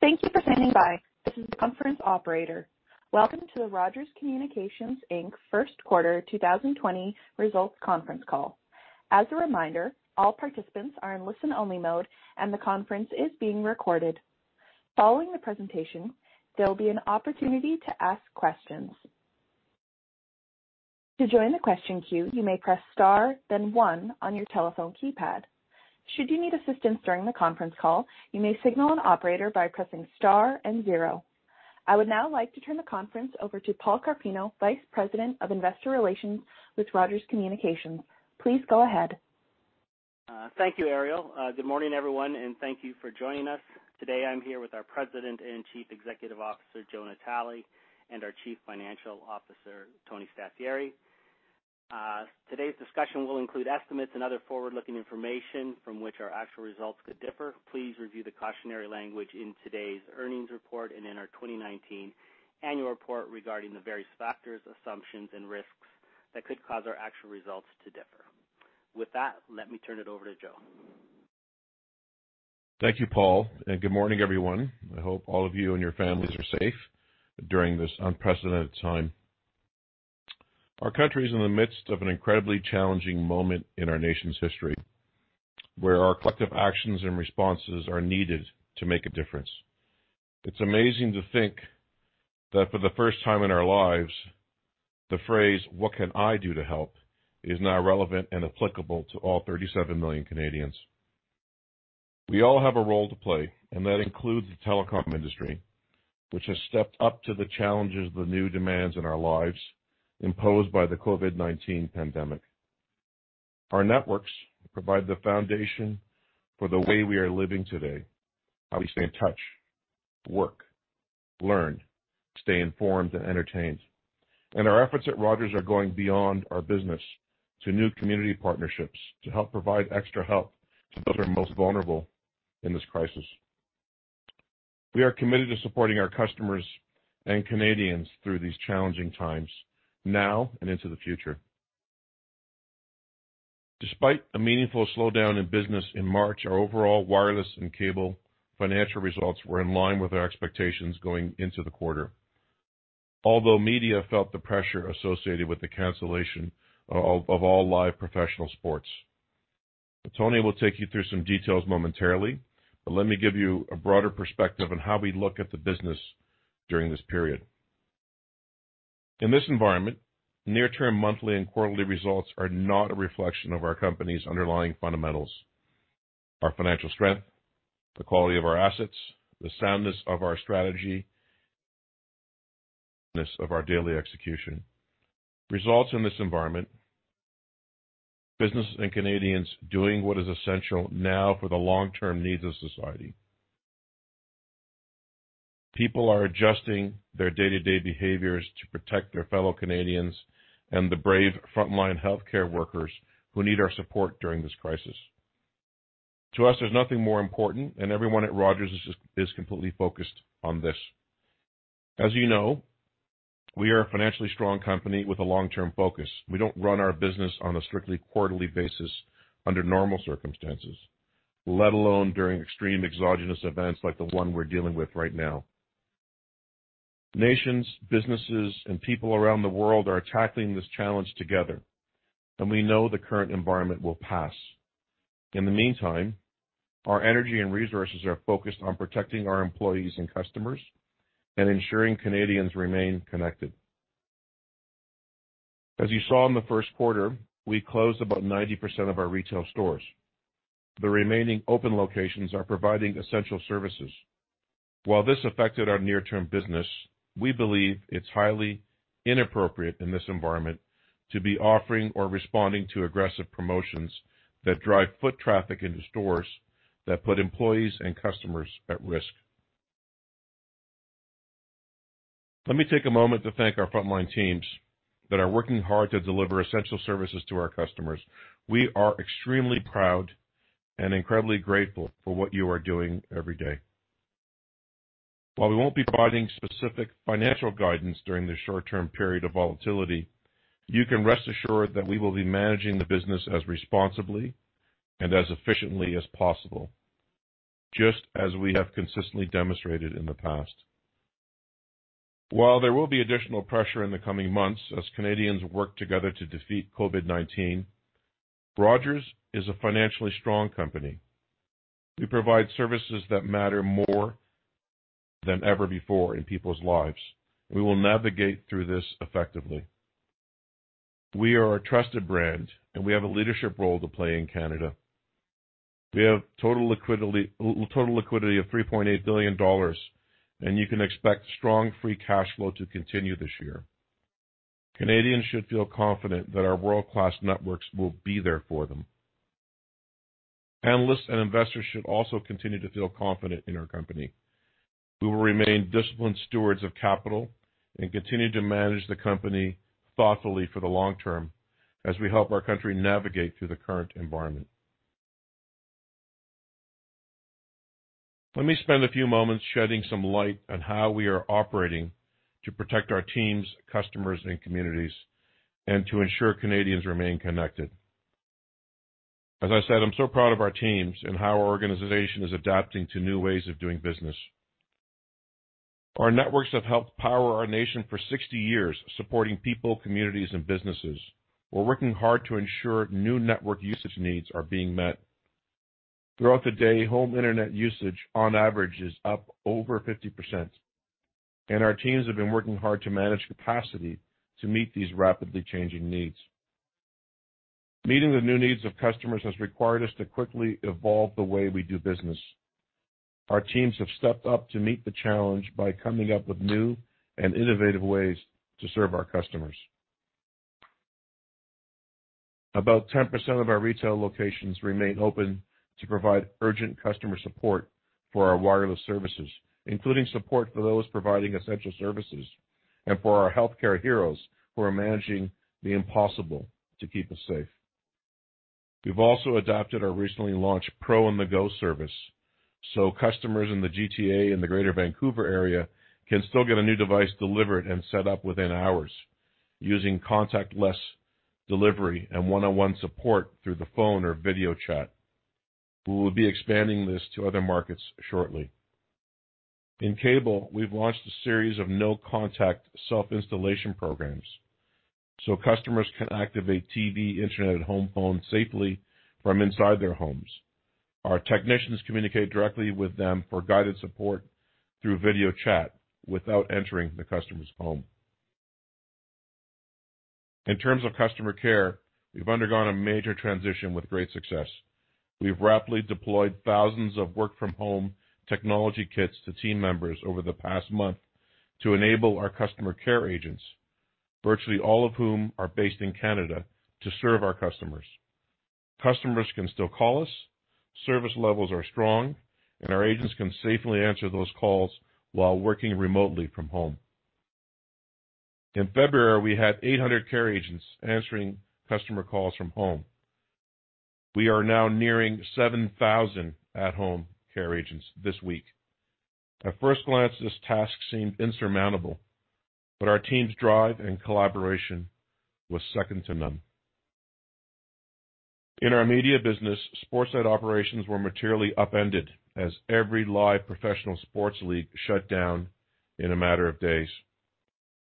Thank you for standing by. This is the conference operator. Welcome to the Rogers Communications Inc. first quarter 2020 results conference call. As a reminder, all participants are in listen-only mode, and the conference is being recorded. Following the presentation, there will be an opportunity to ask questions. To join the question queue, you may press star, then one on your telephone keypad. Should you need assistance during the conference call, you may signal an operator by pressing star and zero. I would now like to turn the conference over to Paul Carpino, Vice President of Investor Relations with Rogers Communications. Please go ahead. Thank you, Ariel. Good morning, everyone, and thank you for joining us. Today, I'm here with our President and Chief Executive Officer, Joe Natale, and our Chief Financial Officer, Tony Staffieri. Today's discussion will include estimates and other forward-looking information from which our actual results could differ. Please review the cautionary language in today's earnings report and in our 2019 annual report regarding the various factors, assumptions, and risks that could cause our actual results to differ. With that, let me turn it over to Joe. Thank you, Paul, and good morning, everyone. I hope all of you and your families are safe during this unprecedented time. Our country is in the midst of an incredibly challenging moment in our nation's history, where our collective actions and responses are needed to make a difference. It's amazing to think that for the first time in our lives, the phrase, "What can I do to help?" is now relevant and applicable to all 37 million Canadians. We all have a role to play, and that includes the telecom industry, which has stepped up to the challenges and the new demands in our lives imposed by the COVID-19 pandemic. Our networks provide the foundation for the way we are living today, how we stay in touch, work, learn, stay informed, and entertained. Our efforts at Rogers are going beyond our business to new community partnerships to help provide extra help to those who are most vulnerable in this crisis. We are committed to supporting our customers and Canadians through these challenging times, now and into the future. Despite a meaningful slowdown in business in March, our overall wireless and cable financial results were in line with our expectations going into the quarter, although media felt the pressure associated with the cancellation of all live professional sports. Tony will take you through some details momentarily, but let me give you a broader perspective on how we look at the business during this period. In this environment, near-term monthly and quarterly results are not a reflection of our company's underlying fundamentals: our financial strength, the quality of our assets, the soundness of our strategy, and the effectiveness of our daily execution. Results in this environment, businesses and Canadians are doing what is essential now for the long-term needs of society. People are adjusting their day-to-day behaviors to protect their fellow Canadians and the brave frontline healthcare workers who need our support during this crisis. To us, there's nothing more important, and everyone at Rogers is completely focused on this. As you know, we are a financially strong company with a long-term focus. We don't run our business on a strictly quarterly basis under normal circumstances, let alone during extreme exogenous events like the one we're dealing with right now. Nations, businesses, and people around the world are tackling this challenge together, and we know the current environment will pass. In the meantime, our energy and resources are focused on protecting our employees and customers and ensuring Canadians remain connected. As you saw in the first quarter, we closed about 90% of our retail stores. The remaining open locations are providing essential services. While this affected our near-term business, we believe it's highly inappropriate in this environment to be offering or responding to aggressive promotions that drive foot traffic into stores that put employees and customers at risk. Let me take a moment to thank our frontline teams that are working hard to deliver essential services to our customers. We are extremely proud and incredibly grateful for what you are doing every day. While we won't be providing specific financial guidance during this short-term period of volatility, you can rest assured that we will be managing the business as responsibly and as efficiently as possible, just as we have consistently demonstrated in the past. While there will be additional pressure in the coming months as Canadians work together to defeat COVID-19, Rogers is a financially strong company. We provide services that matter more than ever before in people's lives, and we will navigate through this effectively. We are a trusted brand, and we have a leadership role to play in Canada. We have total liquidity of 3.8 billion dollars, and you can expect strong free cash flow to continue this year. Canadians should feel confident that our world-class networks will be there for them. Analysts and investors should also continue to feel confident in our company. We will remain disciplined stewards of capital and continue to manage the company thoughtfully for the long term as we help our country navigate through the current environment. Let me spend a few moments shedding some light on how we are operating to protect our teams, customers, and communities, and to ensure Canadians remain connected. As I said, I'm so proud of our teams and how our organization is adapting to new ways of doing business. Our networks have helped power our nation for 60 years, supporting people, communities, and businesses. We're working hard to ensure new network usage needs are being met. Throughout the day, home internet usage on average is up over 50%, and our teams have been working hard to manage capacity to meet these rapidly changing needs. Meeting the new needs of customers has required us to quickly evolve the way we do business. Our teams have stepped up to meet the challenge by coming up with new and innovative ways to serve our customers. About 10% of our retail locations remain open to provide urgent customer support for our wireless services, including support for those providing essential services and for our healthcare heroes who are managing the impossible to keep us safe. We've also adopted our recently launched Pro On-the-Go service, so customers in the GTA and the Greater Vancouver Area can still get a new device delivered and set up within hours using contactless delivery and one-on-one support through the phone or video chat. We will be expanding this to other markets shortly. In cable, we've launched a series of no-contact self-installation programs, so customers can activate TV, internet, and home phones safely from inside their homes. Our technicians communicate directly with them for guided support through video chat without entering the customer's home. In terms of customer care, we've undergone a major transition with great success. We've rapidly deployed thousands of work-from-home technology kits to team members over the past month to enable our customer care agents, virtually all of whom are based in Canada, to serve our customers. Customers can still call us. Service levels are strong, and our agents can safely answer those calls while working remotely from home. In February, we had 800 care agents answering customer calls from home. We are now nearing 7,000 at-home care agents this week. At first glance, this task seemed insurmountable, but our team's drive and collaboration were second to none. In our media business, sports-led operations were materially upended as every live professional sports league shut down in a matter of days.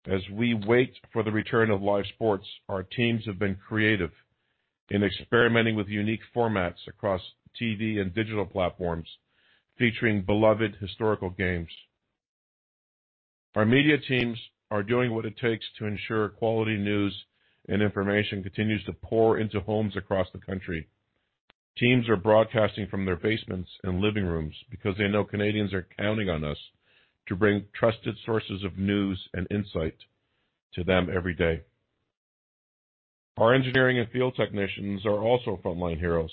As we wait for the return of live sports, our teams have been creative in experimenting with unique formats across TV and digital platforms featuring beloved historical games. Our media teams are doing what it takes to ensure quality news and information continues to pour into homes across the country. Teams are broadcasting from their basements and living rooms because they know Canadians are counting on us to bring trusted sources of news and insight to them every day. Our engineering and field technicians are also frontline heroes.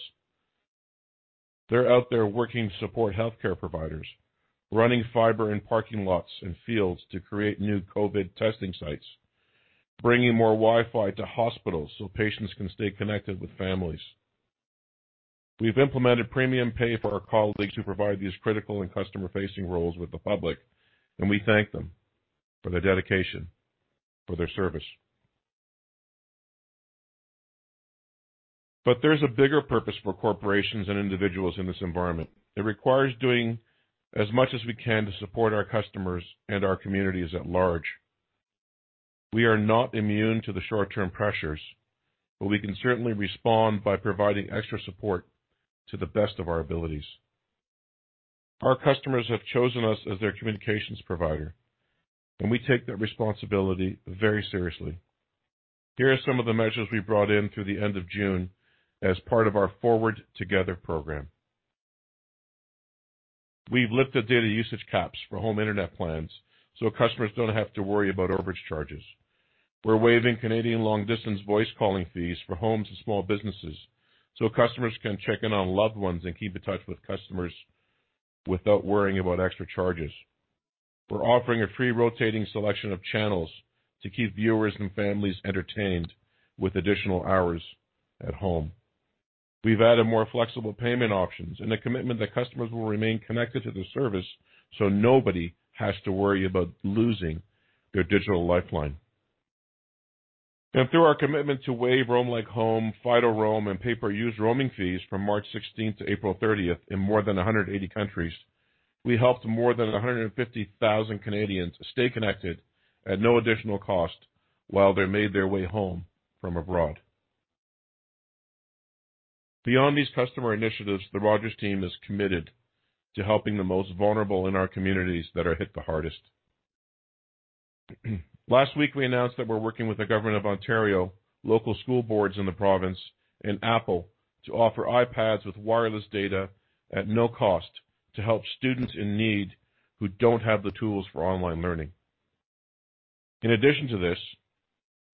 They're out there working to support healthcare providers, running fiber in parking lots and fields to create new COVID testing sites, bringing more Wi-Fi to hospitals so patients can stay connected with families. We've implemented premium pay for our colleagues who provide these critical and customer-facing roles with the public, and we thank them for their dedication, for their service. But there's a bigger purpose for corporations and individuals in this environment. It requires doing as much as we can to support our customers and our communities at large. We are not immune to the short-term pressures, but we can certainly respond by providing extra support to the best of our abilities. Our customers have chosen us as their communications provider, and we take that responsibility very seriously. Here are some of the measures we brought in through the end of June as part of our Forward Together program. We've lifted data usage caps for home internet plans so customers don't have to worry about overage charges. We're waiving Canadian long-distance voice calling fees for homes and small businesses so customers can check in on loved ones and keep in touch with customers without worrying about extra charges. We're offering a free rotating selection of channels to keep viewers and families entertained with additional hours at home. We've added more flexible payment options and a commitment that customers will remain connected to the service so nobody has to worry about losing their digital lifeline, and through our commitment to waive Roam Like Home, Fido Roam, and pay-per-use roaming fees from March 16th to April 30th in more than 180 countries, we helped more than 150,000 Canadians stay connected at no additional cost while they made their way home from abroad. Beyond these customer initiatives, the Rogers team is committed to helping the most vulnerable in our communities that are hit the hardest. Last week, we announced that we're working with the government of Ontario, local school boards in the province, and Apple to offer iPads with wireless data at no cost to help students in need who don't have the tools for online learning. In addition to this,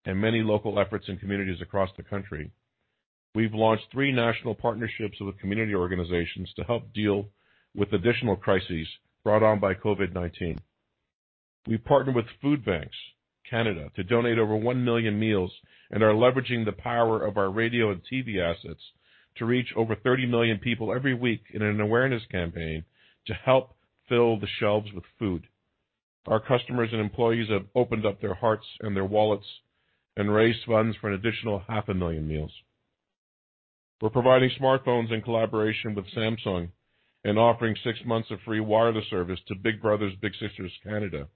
and many local efforts in communities across the country, we've launched three national partnerships with community organizations to help deal with additional crises brought on by COVID-19. We partner with Food Banks Canada to donate over 1 million meals and are leveraging the power of our radio and TV assets to reach over 30 million people every week in an awareness campaign to help fill the shelves with food. Our customers and employees have opened up their hearts and their wallets and raised funds for an additional 500,000 meals. We're providing smartphones in collaboration with Samsung and offering six months of free wireless service to Big Brothers Big Sisters Canada,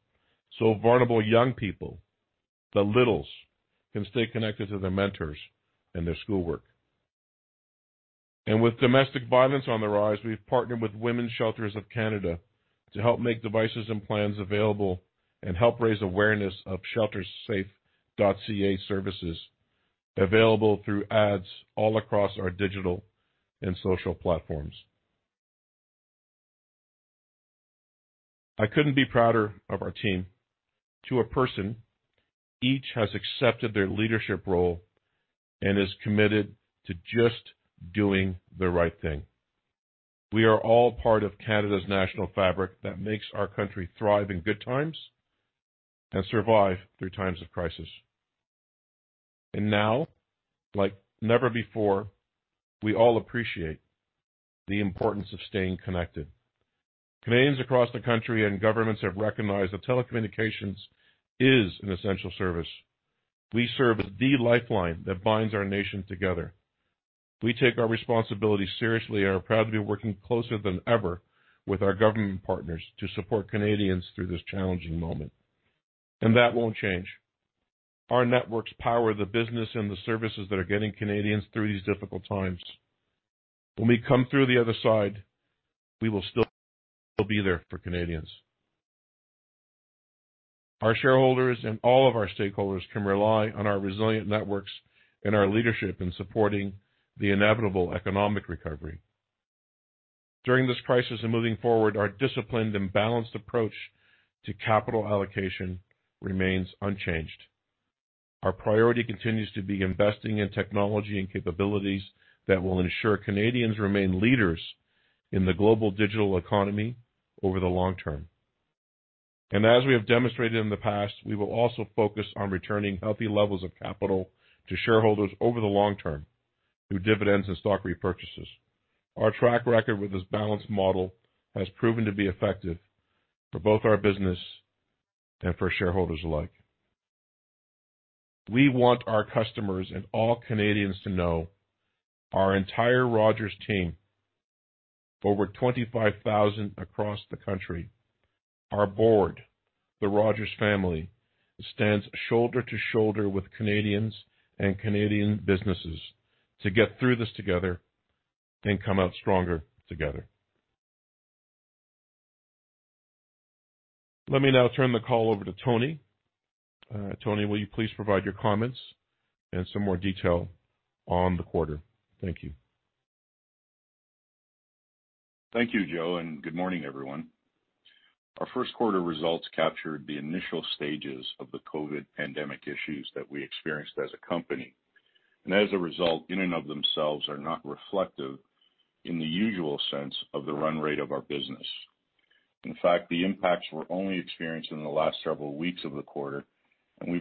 so vulnerable young people, the Littles, can stay connected to their mentors and their schoolwork. With domestic violence on the rise, we've partnered with Women's Shelters of Canada to help make devices and plans available and help raise awareness of ShelterSafe.ca services available through ads all across our digital and social platforms. I couldn't be prouder of our team. To a person, each has accepted their leadership role and is committed to just doing the right thing. We are all part of Canada's national fabric that makes our country thrive in good times and survive through times of crisis. Now, like never before, we all appreciate the importance of staying connected. Canadians across the country and governments have recognized that telecommunications is an essential service. We serve as the lifeline that binds our nation together. We take our responsibility seriously and are proud to be working closer than ever with our government partners to support Canadians through this challenging moment. That won't change. Our networks power the business and the services that are getting Canadians through these difficult times. When we come through the other side, we will still be there for Canadians. Our shareholders and all of our stakeholders can rely on our resilient networks and our leadership in supporting the inevitable economic recovery. During this crisis and moving forward, our disciplined and balanced approach to capital allocation remains unchanged. Our priority continues to be investing in technology and capabilities that will ensure Canadians remain leaders in the global digital economy over the long term. As we have demonstrated in the past, we will also focus on returning healthy levels of capital to shareholders over the long term through dividends and stock repurchases. Our track record with this balanced model has proven to be effective for both our business and for shareholders alike. We want our customers and all Canadians to know our entire Rogers team, over 25,000 across the country, our board, the Rogers family, stands shoulder to shoulder with Canadians and Canadian businesses to get through this together and come out stronger together. Let me now turn the call over to Tony. Tony, will you please provide your comments and some more detail on the quarter? Thank you. Thank you, Joe, and good morning, everyone. Our first quarter results captured the initial stages of the COVID pandemic issues that we experienced as a company, and as a result, in and of themselves, are not reflective in the usual sense of the run rate of our business. In fact, the impacts were only experienced in the last several weeks of the quarter, and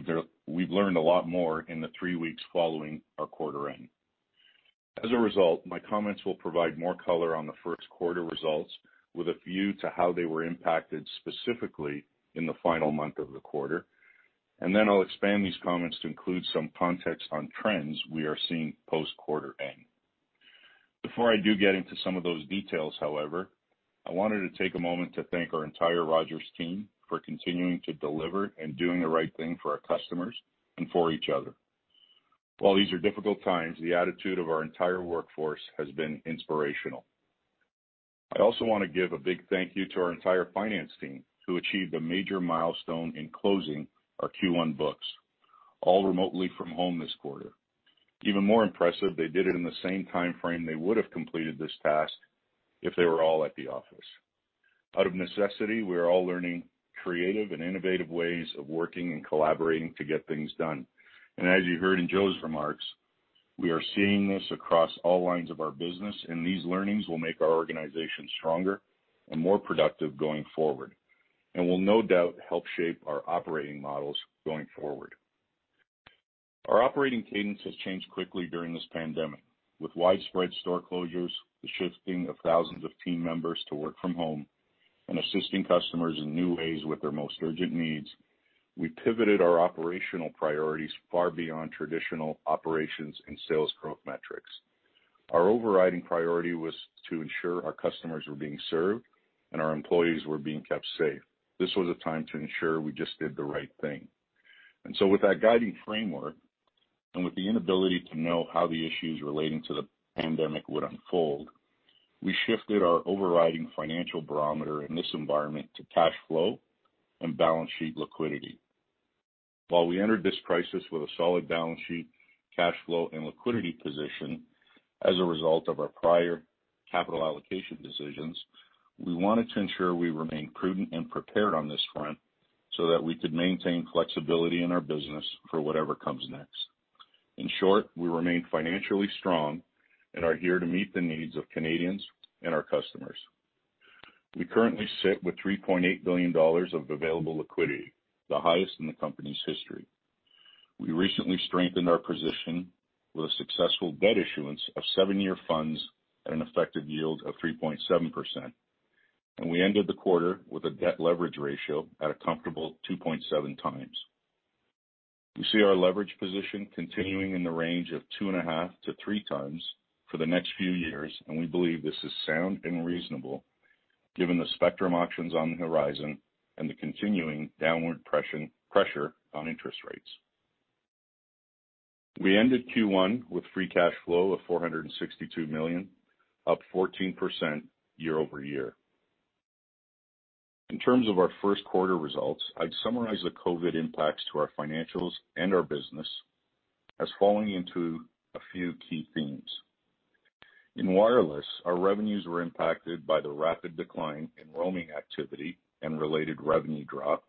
we've learned a lot more in the three weeks following our quarter end. As a result, my comments will provide more color on the first quarter results with a view to how they were impacted specifically in the final month of the quarter. And then I'll expand these comments to include some context on trends we are seeing post-quarter end. Before I do get into some of those details, however, I wanted to take a moment to thank our entire Rogers team for continuing to deliver and doing the right thing for our customers and for each other. While these are difficult times, the attitude of our entire workforce has been inspirational. I also want to give a big thank you to our entire finance team who achieved a major milestone in closing our Q1 books, all remotely from home this quarter. Even more impressive, they did it in the same timeframe they would have completed this task if they were all at the office. Out of necessity, we are all learning creative and innovative ways of working and collaborating to get things done, and as you heard in Joe's remarks, we are seeing this across all lines of our business, and these learnings will make our organization stronger and more productive going forward and will no doubt help shape our operating models going forward. Our operating cadence has changed quickly during this pandemic. With widespread store closures, the shifting of thousands of team members to work from home, and assisting customers in new ways with their most urgent needs, we pivoted our operational priorities far beyond traditional operations and sales growth metrics. Our overriding priority was to ensure our customers were being served and our employees were being kept safe. This was a time to ensure we just did the right thing. And so with that guiding framework and with the inability to know how the issues relating to the pandemic would unfold, we shifted our overriding financial barometer in this environment to cash flow and balance sheet liquidity. While we entered this crisis with a solid balance sheet, cash flow, and liquidity position as a result of our prior capital allocation decisions, we wanted to ensure we remained prudent and prepared on this front so that we could maintain flexibility in our business for whatever comes next. In short, we remained financially strong and are here to meet the needs of Canadians and our customers. We currently sit with 3.8 billion dollars of available liquidity, the highest in the company's history. We recently strengthened our position with a successful debt issuance of seven-year funds at an effective yield of 3.7%. We ended the quarter with a debt leverage ratio at a comfortable 2.7 times. We see our leverage position continuing in the range of two and a half to three times for the next few years, and we believe this is sound and reasonable given the spectrum options on the horizon and the continuing downward pressure on interest rates. We ended Q1 with free cash flow of 462 million, up 14% year-over-year. In terms of our first quarter results, I'd summarize the COVID impacts to our financials and our business as following into a few key themes. In wireless, our revenues were impacted by the rapid decline in roaming activity and related revenue drop,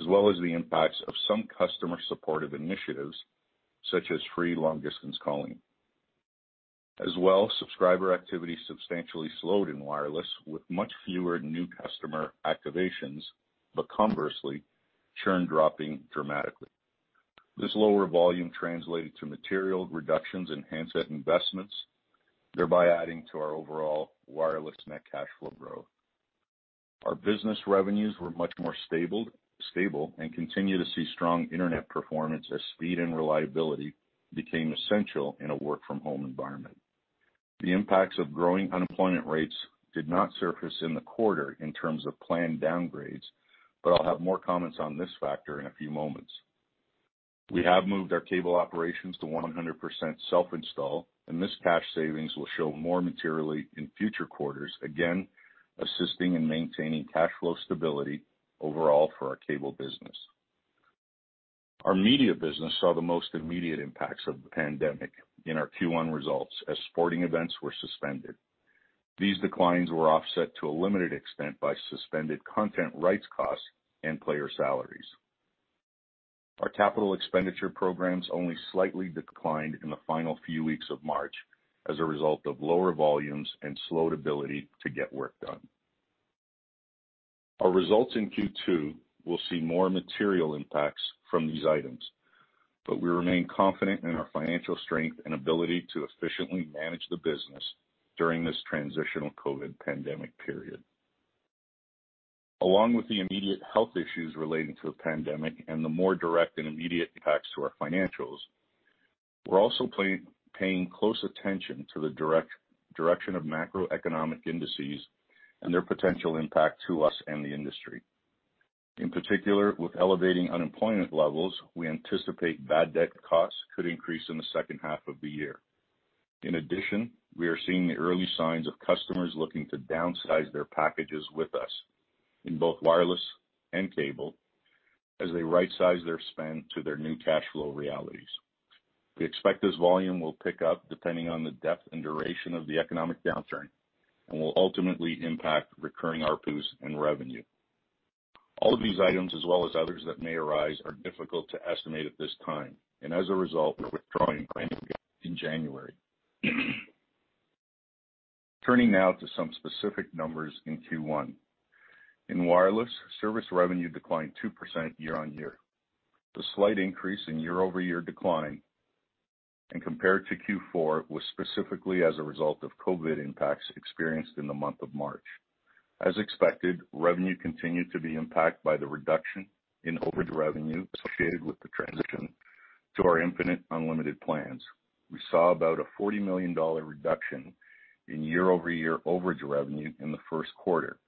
as well as the impacts of some customer supportive initiatives such as free long-distance calling. As well, subscriber activity substantially slowed in wireless, with much fewer new customer activations, but conversely, churn dropping dramatically. This lower volume translated to material reductions in handset investments, thereby adding to our overall wireless net cash flow growth. Our business revenues were much more stable and continue to see strong internet performance as speed and reliability became essential in a work-from-home environment. The impacts of growing unemployment rates did not surface in the quarter in terms of planned downgrades, but I'll have more comments on this factor in a few moments. We have moved our cable operations to 100% self-install, and this cash savings will show more materially in future quarters, again assisting in maintaining cash flow stability overall for our cable business. Our media business saw the most immediate impacts of the pandemic in our Q1 results as sporting events were suspended. These declines were offset to a limited extent by suspended content rights costs and player salaries. Our capital expenditure programs only slightly declined in the final few weeks of March as a result of lower volumes and slowed ability to get work done. Our results in Q2 will see more material impacts from these items, but we remain confident in our financial strength and ability to efficiently manage the business during this transitional COVID pandemic period. Along with the immediate health issues relating to the pandemic and the more direct and immediate impacts to our financials, we're also paying close attention to the direction of macroeconomic indices and their potential impact to us and the industry. In particular, with elevating unemployment levels, we anticipate bad debt costs could increase in the second half of the year. In addition, we are seeing the early signs of customers looking to downsize their packages with us in both wireless and cable as they right-size their spend to their new cash flow realities. We expect this volume will pick up depending on the depth and duration of the economic downturn and will ultimately impact recurring RPUs and revenue. All of these items, as well as others that may arise, are difficult to estimate at this time, and as a result, we're withdrawing guidance in January. Turning now to some specific numbers in Q1. In wireless, service revenue declined 2% year-on-year. The slight increase in year-over-year decline and compared to Q4 was specifically as a result of COVID impacts experienced in the month of March. As expected, revenue continued to be impacted by the reduction in overage revenue associated with the transition to our Infinite unlimited plans. We saw about a 40 million dollar reduction in year-over-year overage revenue in the first quarter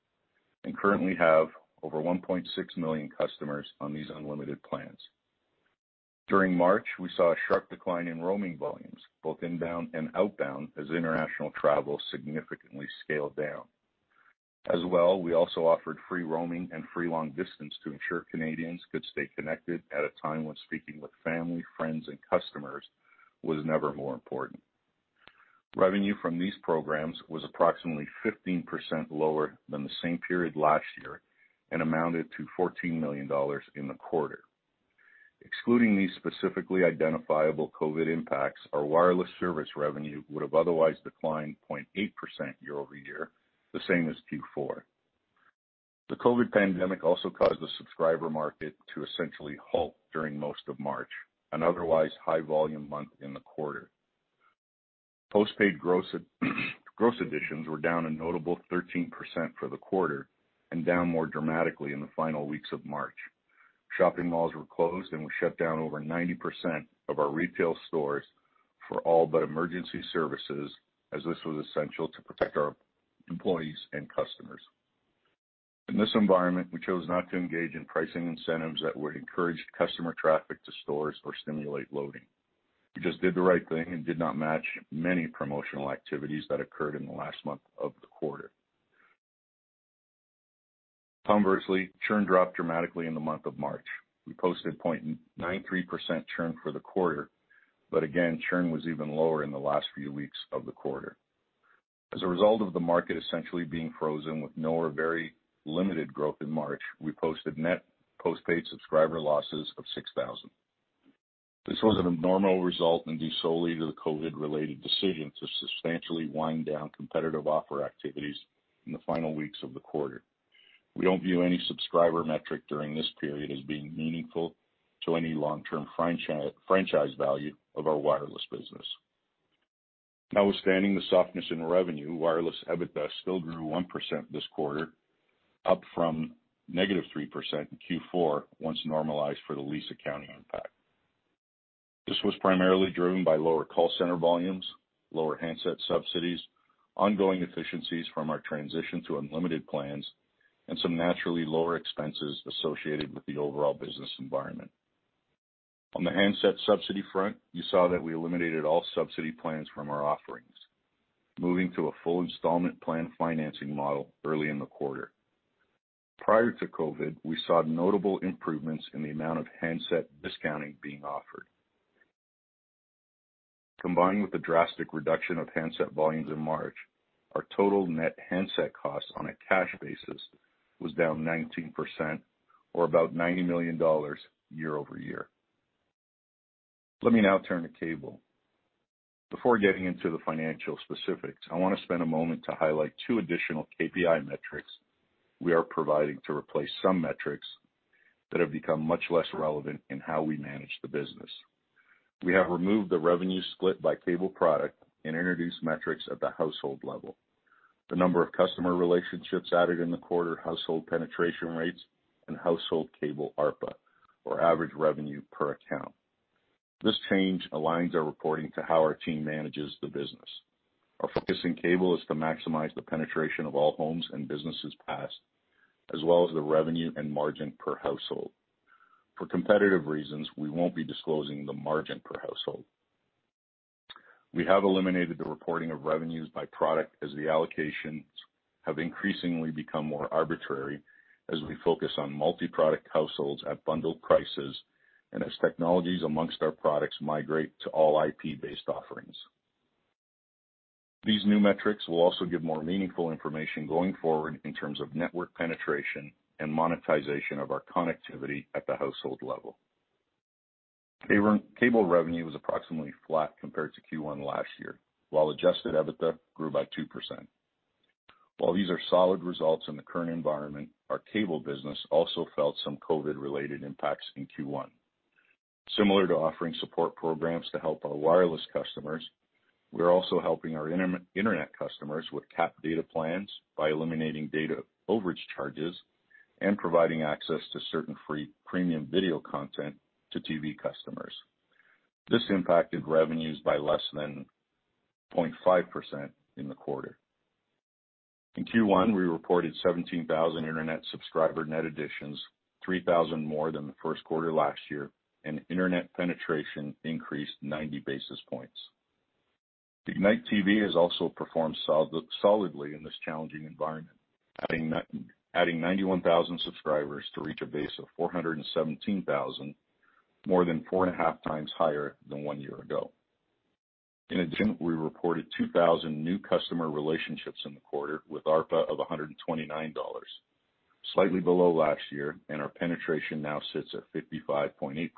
and currently have over 1.6 million customers on these unlimited plans. During March, we saw a sharp decline in roaming volumes, both inbound and outbound, as international travel significantly scaled down. As well, we also offered free roaming and free long distance to ensure Canadians could stay connected at a time when speaking with family, friends, and customers was never more important. Revenue from these programs was approximately 15% lower than the same period last year and amounted to 14 million dollars in the quarter. Excluding these specifically identifiable COVID impacts, our wireless service revenue would have otherwise declined 0.8% year-over-year, the same as Q4. The COVID pandemic also caused the subscriber market to essentially halt during most of March, an otherwise high-volume month in the quarter. Postpaid gross additions were down a notable 13% for the quarter and down more dramatically in the final weeks of March. Shopping malls were closed and we shut down over 90% of our retail stores for all but emergency services, as this was essential to protect our employees and customers. In this environment, we chose not to engage in pricing incentives that would encourage customer traffic to stores or stimulate loading. We just did the right thing and did not match many promotional activities that occurred in the last month of the quarter. Conversely, churn dropped dramatically in the month of March. We posted a 0.93% churn for the quarter, but again, churn was even lower in the last few weeks of the quarter. As a result of the market essentially being frozen with no or very limited growth in March, we posted net postpaid subscriber losses of 6,000. This was an abnormal result and due solely to the COVID-related decision to substantially wind down competitive offer activities in the final weeks of the quarter. We don't view any subscriber metric during this period as being meaningful to any long-term franchise value of our wireless business. Now, notwithstanding the softness in revenue, wireless EBITDA still grew 1% this quarter, up from -3% in Q4 once normalized for the lease accounting impact. This was primarily driven by lower call center volumes, lower handset subsidies, ongoing efficiencies from our transition to unlimited plans, and some naturally lower expenses associated with the overall business environment. On the handset subsidy front, you saw that we eliminated all subsidy plans from our offerings, moving to a full installment plan financing model early in the quarter. Prior to COVID, we saw notable improvements in the amount of handset discounting being offered. Combined with the drastic reduction of handset volumes in March, our total net handset costs on a cash basis was down 19%, or about CAD 90 million year-over-year. Let me now turn to cable. Before getting into the financial specifics, I want to spend a moment to highlight two additional KPI metrics we are providing to replace some metrics that have become much less relevant in how we manage the business. We have removed the revenue split by cable product and introduced metrics at the household level: the number of customer relationships added in the quarter, household penetration rates, and household cable ARPA, or average revenue per account. This change aligns our reporting to how our team manages the business. Our focus in cable is to maximize the penetration of all homes and businesses passed, as well as the revenue and margin per household. For competitive reasons, we won't be disclosing the margin per household. We have eliminated the reporting of revenues by product as the allocations have increasingly become more arbitrary as we focus on multi-product households at bundled prices and as technologies amongst our products migrate to all IP-based offerings. These new metrics will also give more meaningful information going forward in terms of network penetration and monetization of our connectivity at the household level. Cable revenue was approximately flat compared to Q1 last year, while adjusted EBITDA grew by 2%. While these are solid results in the current environment, our cable business also felt some COVID-related impacts in Q1. Similar to offering support programs to help our wireless customers, we are also helping our internet customers with capped data plans by eliminating data overage charges and providing access to certain free premium video content to TV customers. This impacted revenues by less than 0.5% in the quarter. In Q1, we reported 17,000 internet subscriber net additions, 3,000 more than the first quarter last year, and internet penetration increased 90 basis points. Ignite TV has also performed solidly in this challenging environment, adding 91,000 subscribers to reach a base of 417,000, more than four and a half times higher than one year ago. In addition, we reported 2,000 new customer relationships in the quarter with ARPA of 129 dollars, slightly below last year, and our penetration now sits at 55.8%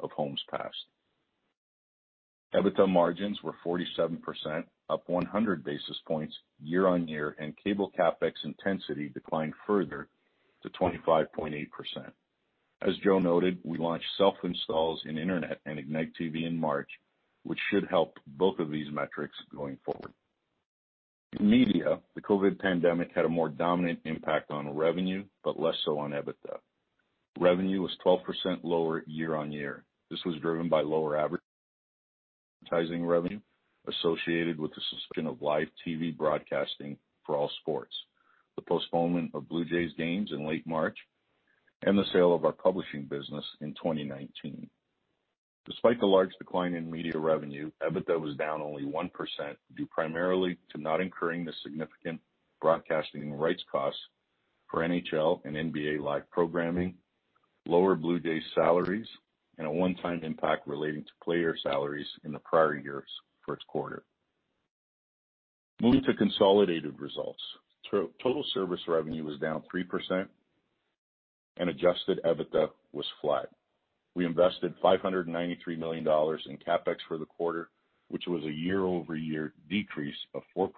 of homes passed. EBITDA margins were 47%, up 100 basis points year-on-year, and cable CapEx intensity declined further to 25.8%. As Joe Natale noted, we launched self-installs in internet and Ignite TV in March, which should help both of these metrics going forward. In media, the COVID-19 pandemic had a more dominant impact on revenue, but less so on EBITDA. Revenue was 12% lower year-on-year. This was driven by lower average monetizing revenue associated with the suspension of live TV broadcasting for all sports, the postponement of Blue Jays games in late March, and the sale of our publishing business in 2019. Despite the large decline in media revenue, EBITDA was down only 1% due primarily to not incurring the significant broadcasting rights costs for NHL and NBA live programming, lower Blue Jays salaries, and a one-time impact relating to player salaries in the prior year for this quarter. Moving to consolidated results, total service revenue was down 3%, and adjusted EBITDA was flat. We invested 593 million dollars in CapEx for the quarter, which was a year-over-year decrease of 4%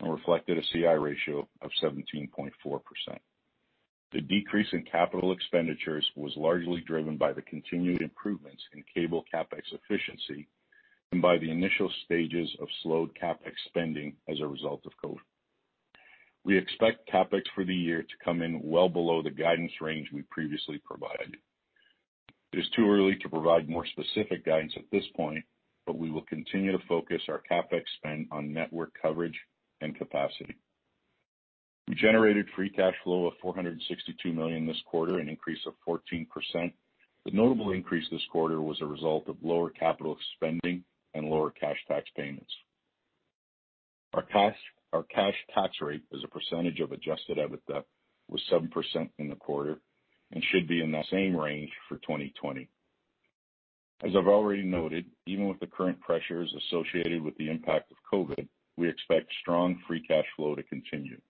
and reflected a CI ratio of 17.4%. The decrease in capital expenditures was largely driven by the continued improvements in cable CapEx efficiency and by the initial stages of slowed CapEx spending as a result of COVID. We expect CapEx for the year to come in well below the guidance range we previously provided. It is too early to provide more specific guidance at this point, but we will continue to focus our CapEx spend on network coverage and capacity. We generated free cash flow of 462 million this quarter, an increase of 14%. The notable increase this quarter was a result of lower capital spending and lower cash tax payments. Our cash tax rate, as a percentage of adjusted EBITDA, was 7% in the quarter and should be in that same range for 2020. As I've already noted, even with the current pressures associated with the impact of COVID, we expect strong free cash flow to continue.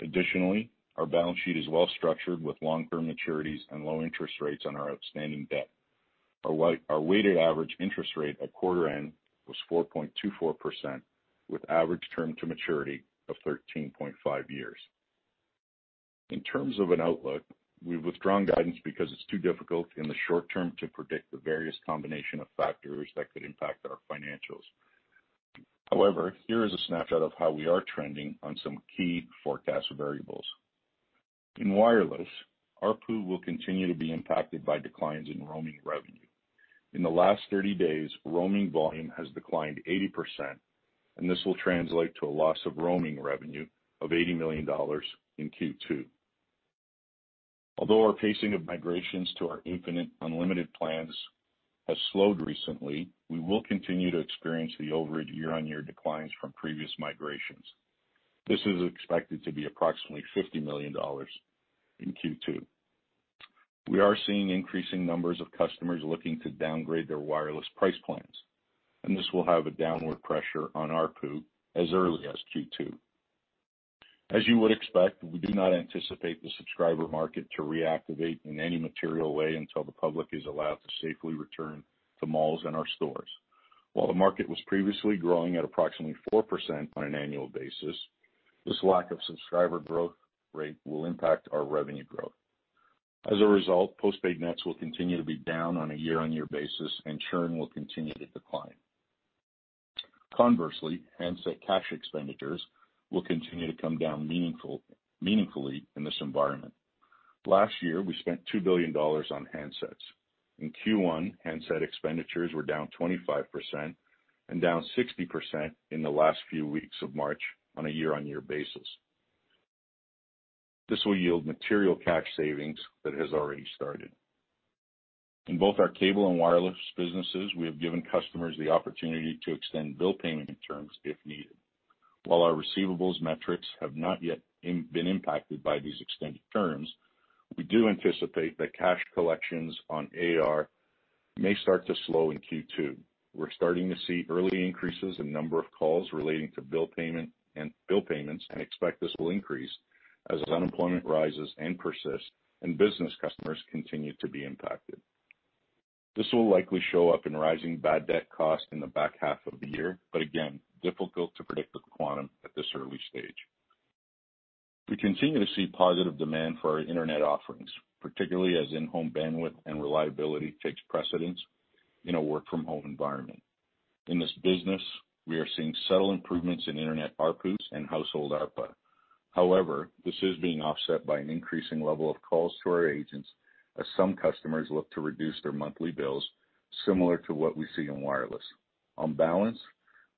Additionally, our balance sheet is well-structured with long-term maturities and low interest rates on our outstanding debt. Our weighted average interest rate at quarter-end was 4.24%, with average term to maturity of 13.5 years. In terms of an outlook, we've withdrawn guidance because it's too difficult in the short term to predict the various combination of factors that could impact our financials. However, here is a snapshot of how we are trending on some key forecast variables. In wireless, our P&L will continue to be impacted by declines in roaming revenue. In the last 30 days, roaming volume has declined 80%, and this will translate to a loss of roaming revenue of 80 million dollars in Q2. Although our pacing of migrations to our Infinite unlimited plans has slowed recently, we will continue to experience the overage year-on-year declines from previous migrations. This is expected to be approximately 50 million dollars in Q2. We are seeing increasing numbers of customers looking to downgrade their wireless price plans, and this will have a downward pressure on ARPU as early as Q2. As you would expect, we do not anticipate the subscriber market to reactivate in any material way until the public is allowed to safely return to malls and our stores. While the market was previously growing at approximately 4% on an annual basis, this lack of subscriber growth rate will impact our revenue growth. As a result, postpaid nets will continue to be down on a year-on-year basis, and churn will continue to decline. Conversely, handset cash expenditures will continue to come down meaningfully in this environment. Last year, we spent 2 billion dollars on handsets. In Q1, handset expenditures were down 25% and down 60% in the last few weeks of March on a year-on-year basis. This will yield material cash savings that has already started. In both our cable and wireless businesses, we have given customers the opportunity to extend bill payment terms if needed. While our receivables metrics have not yet been impacted by these extended terms, we do anticipate that cash collections on AR may start to slow in Q2. We're starting to see early increases in number of calls relating to bill payments and expect this will increase as unemployment rises and persists and business customers continue to be impacted. This will likely show up in rising bad debt costs in the back half of the year, but again, difficult to predict the quantum at this early stage. We continue to see positive demand for our internet offerings, particularly as in-home bandwidth and reliability takes precedence in a work-from-home environment. In this business, we are seeing subtle improvements in internet ARPAs and household ARPA. However, this is being offset by an increasing level of calls to our agents as some customers look to reduce their monthly bills, similar to what we see in wireless. On balance,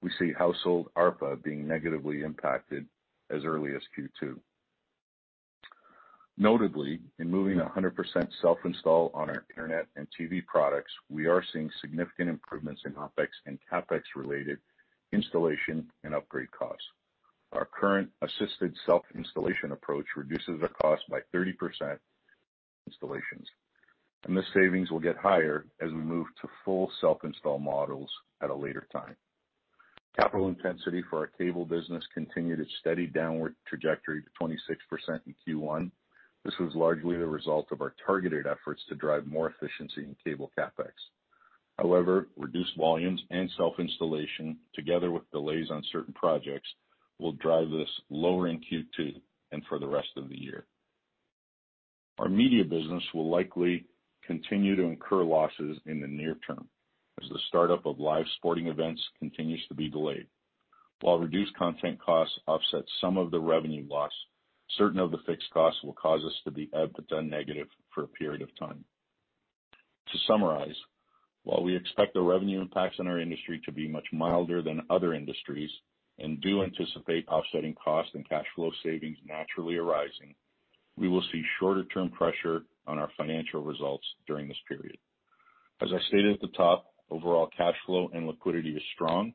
we see household ARPA being negatively impacted as early as Q2. Notably, in moving 100% self-install on our internet and TV products, we are seeing significant improvements in OpEx and CapEx-related installation and upgrade costs. Our current assisted self-installation approach reduces the cost by 30% on installations, and the savings will get higher as we move to full self-install models at a later time. Capital intensity for our cable business continued its steady downward trajectory to 26% in Q1. This was largely the result of our targeted efforts to drive more efficiency in cable CapEx. However, reduced volumes and self-installation, together with delays on certain projects, will drive this lower in Q2 and for the rest of the year. Our media business will likely continue to incur losses in the near term as the startup of live sporting events continues to be delayed. While reduced content costs offset some of the revenue loss, certain of the fixed costs will cause us to be EBITDA negative for a period of time. To summarize, while we expect the revenue impacts in our industry to be much milder than other industries and do anticipate offsetting costs and cash flow savings naturally arising, we will see shorter-term pressure on our financial results during this period. As I stated at the top, overall cash flow and liquidity is strong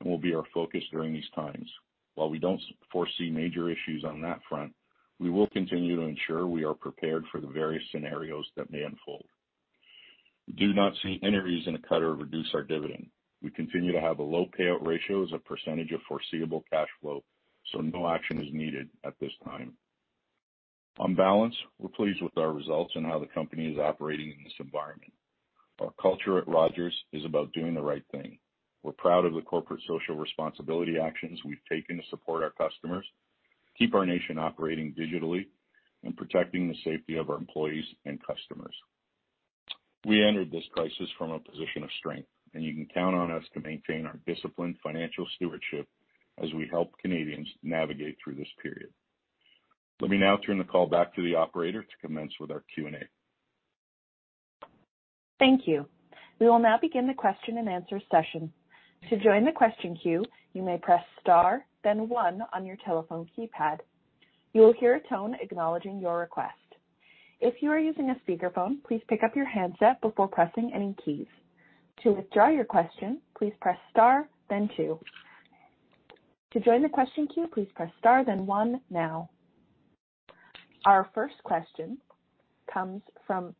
and will be our focus during these times. While we don't foresee major issues on that front, we will continue to ensure we are prepared for the various scenarios that may unfold. We do not see any reason to cut or reduce our dividend. We continue to have a low payout ratio as a percentage of foreseeable cash flow, so no action is needed at this time. On balance, we're pleased with our results and how the company is operating in this environment. Our culture at Rogers is about doing the right thing. We're proud of the corporate social responsibility actions we've taken to support our customers, keep our nation operating digitally, and protecting the safety of our employees and customers. We entered this crisis from a position of strength, and you can count on us to maintain our disciplined financial stewardship as we help Canadians navigate through this period. Let me now turn the call back to the operator to commence with our Q&A. Thank you. We will now begin the question and answer session. To join the question queue, you may press star, then one on your telephone keypad. You will hear a tone acknowledging your request. If you are using a speakerphone, please pick up your handset before pressing any keys. To withdraw your question, please press star, then two. To join the question queue, please press star, then one now. Our first question comes from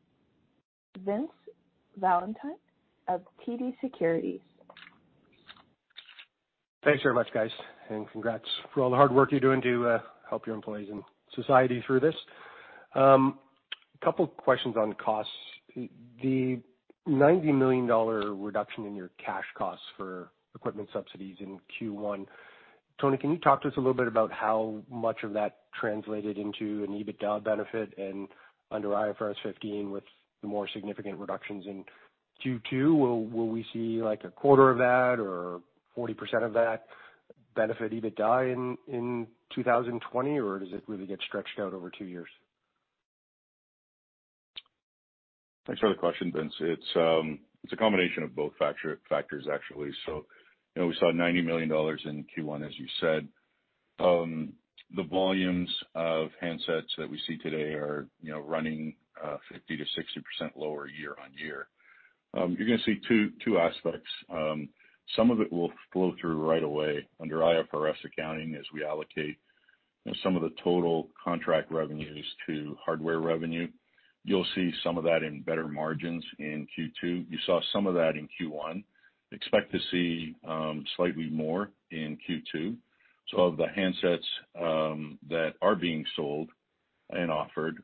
Vince Valentini of TD Securities. Thanks very much, guys. And congrats for all the hard work you're doing to help your employees and society through this. A couple of questions on costs. The 90 million dollar reduction in your cash costs for equipment subsidies in Q1, Tony, can you talk to us a little bit about how much of that translated into an EBITDA benefit and under IFRS 15 with the more significant reductions in Q2? Will we see like a quarter of that or 40% of that benefit EBITDA in 2020, or does it really get stretched out over two years? Thanks for the question, Vince. It's a combination of both factors, actually. So we saw 90 million dollars in Q1, as you said. The volumes of handsets that we see today are running 50%-60% lower year-on-year. You're going to see two aspects. Some of it will flow through right away under IFRS accounting as we allocate some of the total contract revenues to hardware revenue. You'll see some of that in better margins in Q2. You saw some of that in Q1. Expect to see slightly more in Q2, so of the handsets that are being sold and offered,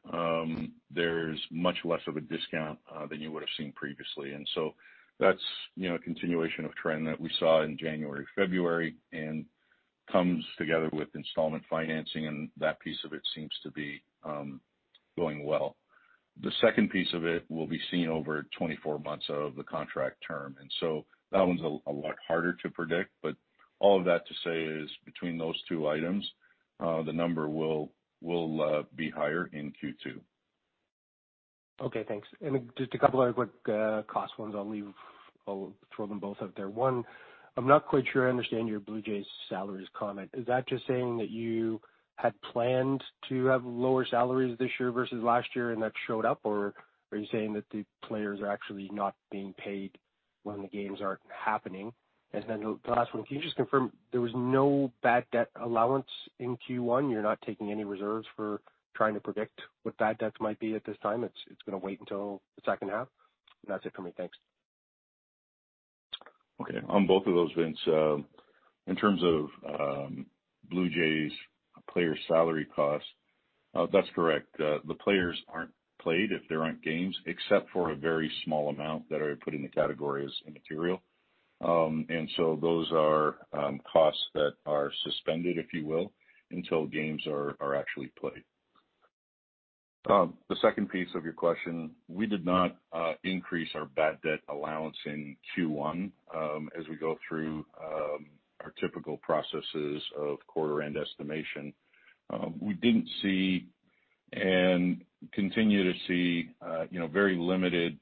there's much less of a discount than you would have seen previously. And so that's a continuation of trend that we saw in January, February, and comes together with installment financing, and that piece of it seems to be going well. The second piece of it will be seen over 24 months of the contract term, and so that one's a lot harder to predict, but all of that to say is between those two items, the number will be higher in Q2. Okay, thanks, and just a couple of quick cost ones. I'll throw them both out there. One, I'm not quite sure I understand your Blue Jays salaries comment. Is that just saying that you had planned to have lower salaries this year versus last year, and that showed up? Or are you saying that the players are actually not being paid when the games aren't happening? And then the last one, can you just confirm there was no bad debt allowance in Q1? You're not taking any reserves for trying to predict what bad debts might be at this time? It's going to wait until the second half? And that's it for me. Thanks. Okay. On both of those, Vince, in terms of Blue Jays players' salary costs, that's correct. The players aren't paid if there aren't games, except for a very small amount that are put in the category as immaterial. And so those are costs that are suspended, if you will, until games are actually played. The second piece of your question, we did not increase our bad debt allowance in Q1 as we go through our typical processes of quarter-end estimation. We didn't see and continue to see very limited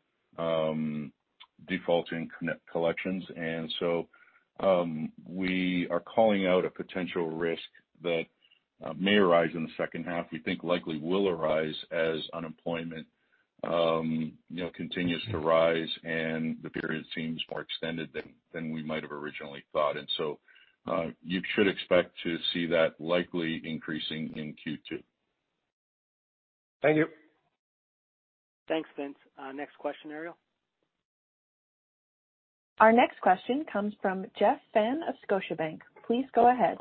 defaulting collections. And so we are calling out a potential risk that may arise in the second half. We think likely will arise as unemployment continues to rise and the period seems more extended than we might have originally thought. And so you should expect to see that likely increasing in Q2. Thank you. Thanks, Vince. Next question, Ariel. Our next question comes from Jeff Fan of Scotiabank. Please go ahead.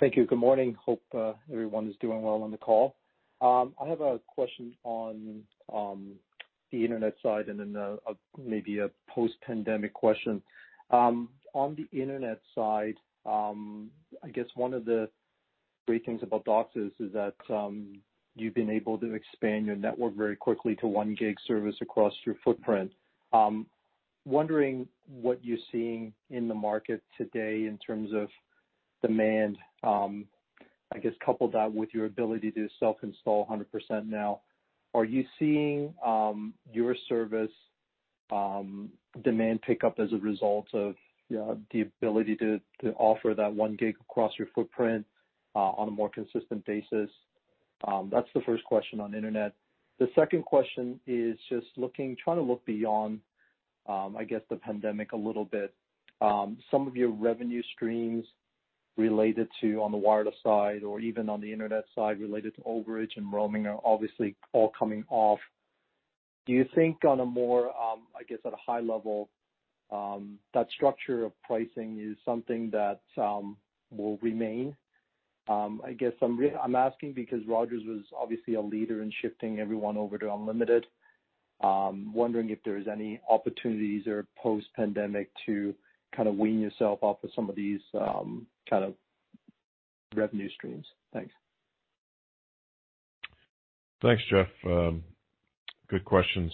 Thank you. Good morning. Hope everyone is doing well on the call. I have a question on the internet side and then maybe a post-pandemic question. On the internet side, I guess one of the great things about DOCSIS is that you've been able to expand your network very quickly to one gig service across your footprint. Wondering what you're seeing in the market today in terms of demand. I guess couple that with your ability to self-install 100% now. Are you seeing your service demand pick up as a result of the ability to offer that one gig across your footprint on a more consistent basis? That's the first question on internet. The second question is just trying to look beyond, I guess, the pandemic a little bit. Some of your revenue streams related to on the wireless side or even on the internet side related to overage and roaming are obviously all coming off. Do you think on a more, I guess, at a high level, that structure of pricing is something that will remain? I guess I'm asking because Rogers was obviously a leader in shifting everyone over to unlimited. Wondering if there's any opportunities or post-pandemic to kind of wean yourself off of some of these kind of revenue streams. Thanks. Thanks, Jeff. Good questions.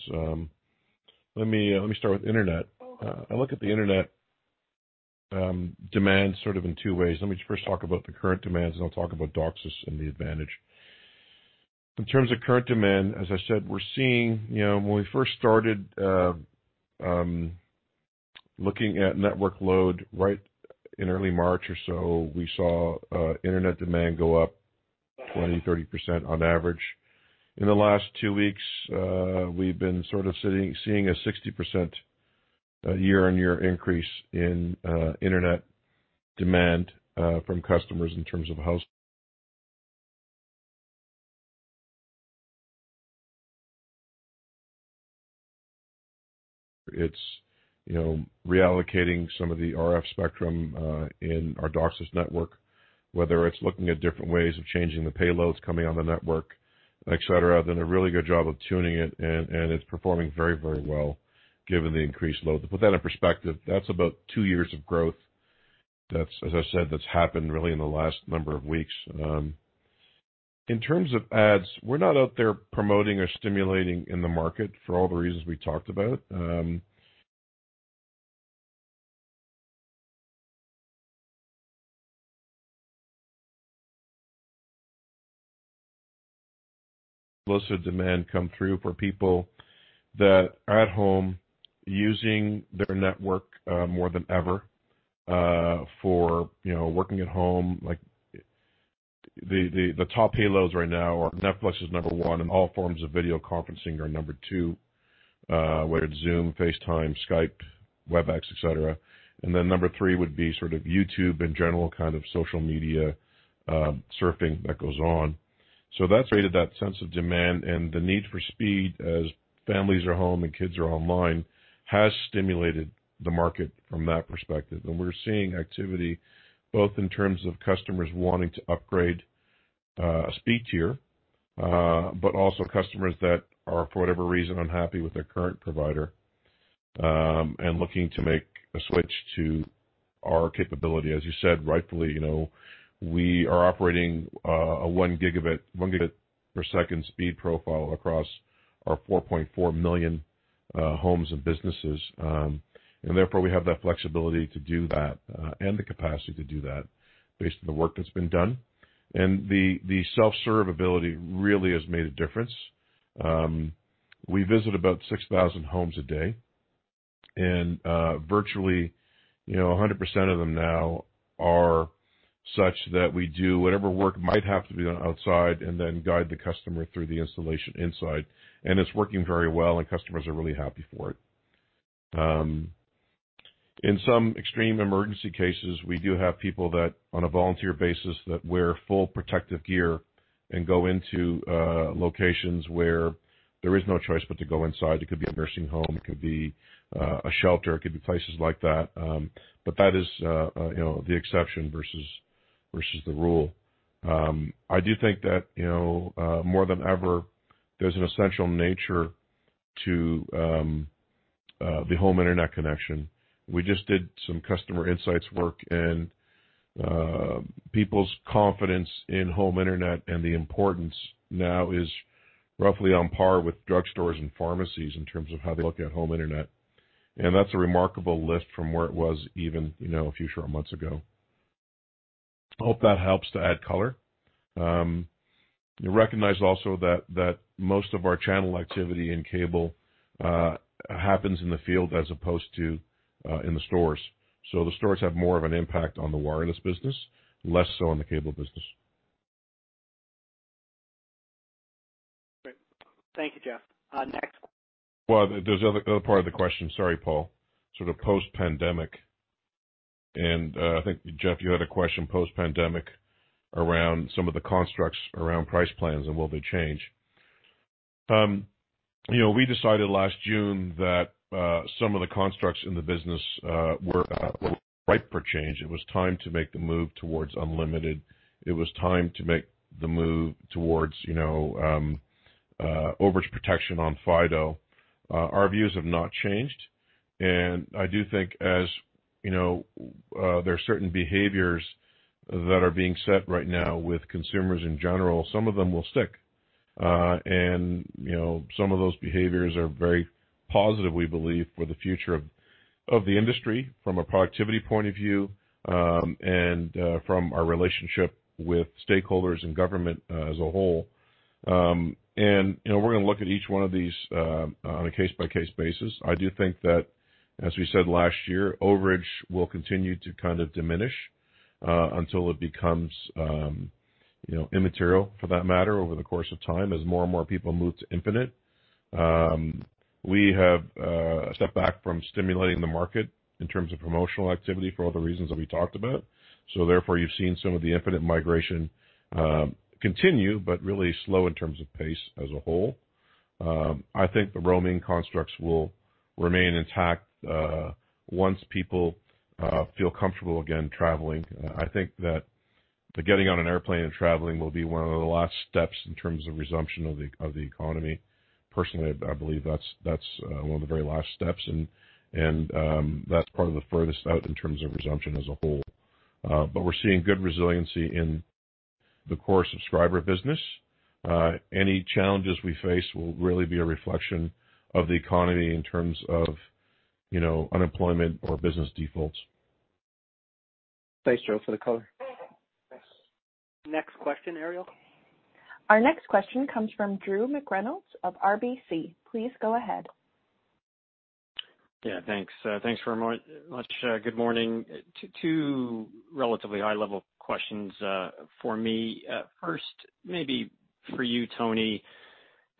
Let me start with internet. I look at the internet demand sort of in two ways. Let me first talk about the current demands, and I'll talk about DOCSIS and the advantage. In terms of current demand, as I said, we're seeing when we first started looking at network load right in early March or so, we saw internet demand go up 20%-30% on average. In the last two weeks, we've been sort of seeing a 60% year-on-year increase in internet demand from customers in terms of households. It's reallocating some of the RF spectrum in our DOCSIS network, whether it's looking at different ways of changing the payloads coming on the network, et cetera, done a really good job of tuning it, and it's performing very, very well given the increased load. To put that in perspective, that's about two years of growth. As I said, that's happened really in the last number of weeks. In terms of ads, we're not out there promoting or stimulating in the market for all the reasons we talked about. Lesser demand come through for people that are at home using their network more than ever for working at home. The top payloads right now are Netflix is number one, and all forms of video conferencing are number two, whether it's Zoom, FaceTime, Skype, Webex, et cetera. And then number three would be sort of YouTube in general, kind of social media surfing that goes on. So that's created that sense of demand, and the need for speed as families are home and kids are online has stimulated the market from that perspective. And we're seeing activity both in terms of customers wanting to upgrade a speed tier, but also customers that are, for whatever reason, unhappy with their current provider and looking to make a switch to our capability. As you said rightfully, we are operating a one gigabit per second speed profile across our 4.4 million homes and businesses. Therefore, we have that flexibility to do that and the capacity to do that based on the work that's been done. The self-serve ability really has made a difference. We visit about 6,000 homes a day, and virtually 100% of them now are such that we do whatever work might have to be done outside and then guide the customer through the installation inside. It's working very well, and customers are really happy for it. In some extreme emergency cases, we do have people that, on a volunteer basis, that wear full protective gear and go into locations where there is no choice but to go inside. It could be a nursing home. It could be a shelter. It could be places like that. But that is the exception versus the rule. I do think that more than ever, there's an essential nature to the home internet connection. We just did some customer insights work, and people's confidence in home internet and the importance now is roughly on par with drugstores and pharmacies in terms of how they look at home internet. And that's a remarkable lift from where it was even a few short months ago. I hope that helps to add color. Recognize also that most of our channel activity and cable happens in the field as opposed to in the stores. So the stores have more of an impact on the wireless business, less so on the cable business. Great. Thank you, Jeff. Next. Well, there's another part of the question. Sorry, Paul. Sort of post-pandemic. And I think, Jeff, you had a question post-pandemic around some of the constructs around price plans and will they change. We decided last June that some of the constructs in the business were ripe for change. It was time to make the move towards unlimited. It was time to make the move towards overage protection on Fido. Our views have not changed, and I do think as there are certain behaviors that are being set right now with consumers in general, some of them will stick, and some of those behaviors are very positive, we believe, for the future of the industry from a productivity point of view and from our relationship with stakeholders and government as a whole, and we're going to look at each one of these on a case-by-case basis. I do think that, as we said last year, overage will continue to kind of diminish until it becomes immaterial for that matter over the course of time as more and more people move to Infinite. We have a step back from stimulating the market in terms of promotional activity for all the reasons that we talked about. So therefore, you've seen some of the Infinite migration continue, but really slow in terms of pace as a whole. I think the roaming constructs will remain intact once people feel comfortable again traveling. I think that getting on an airplane and traveling will be one of the last steps in terms of resumption of the economy. Personally, I believe that's one of the very last steps, and that's part of the furthest out in terms of resumption as a whole. But we're seeing good resiliency in the core subscriber business. Any challenges we face will really be a reflection of the economy in terms of unemployment or business defaults. Thanks, Joe, for the color. Next question, Ariel. Our next question comes from Drew McReynolds of RBC. Please go ahead. Yeah, thanks. Thanks very much. Good morning. Two relatively high-level questions for me. First, maybe for you, Tony,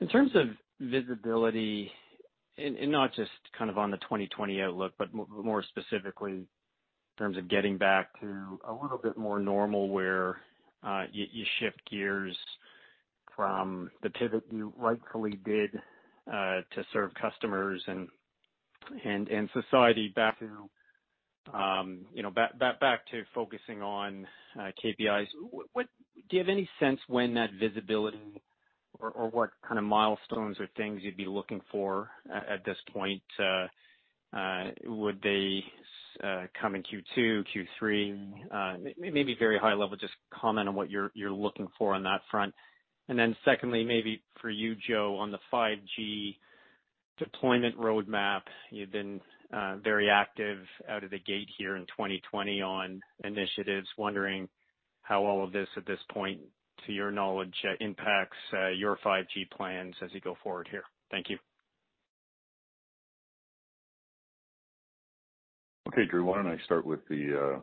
in terms of visibility, and not just kind of on the 2020 outlook, but more specifically in terms of getting back to a little bit more normal where you shift gears from the pivot you rightfully did to serve customers and society back to focusing on KPIs. Do you have any sense when that visibility or what kind of milestones or things you'd be looking for at this point? Would they come in Q2, Q3? Maybe very high level, just comment on what you're looking for on that front. And then secondly, maybe for you, Joe, on the 5G deployment roadmap. You've been very active out of the gate here in 2020 on initiatives. Wondering how all of this, at this point, to your knowledge, impacts your 5G plans as you go forward here. Thank you. Okay, Drew. Why don't I start with the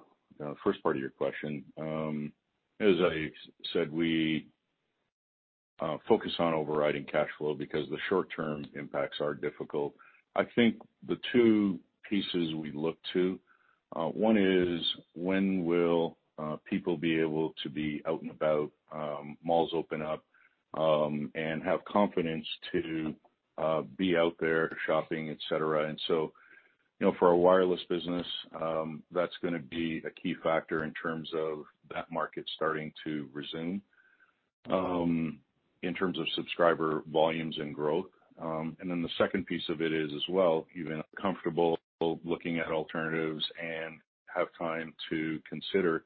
first part of your question? As I said, we focus on overall cash flow because the short-term impacts are difficult. I think the two pieces we look to, one is when will people be able to be out and about, malls open up, and have confidence to be out there shopping, et cetera. And so for our wireless business, that's going to be a key factor in terms of that market starting to resume in terms of subscriber volumes and growth. And then the second piece of it is as well, even comfortable looking at alternatives and have time to consider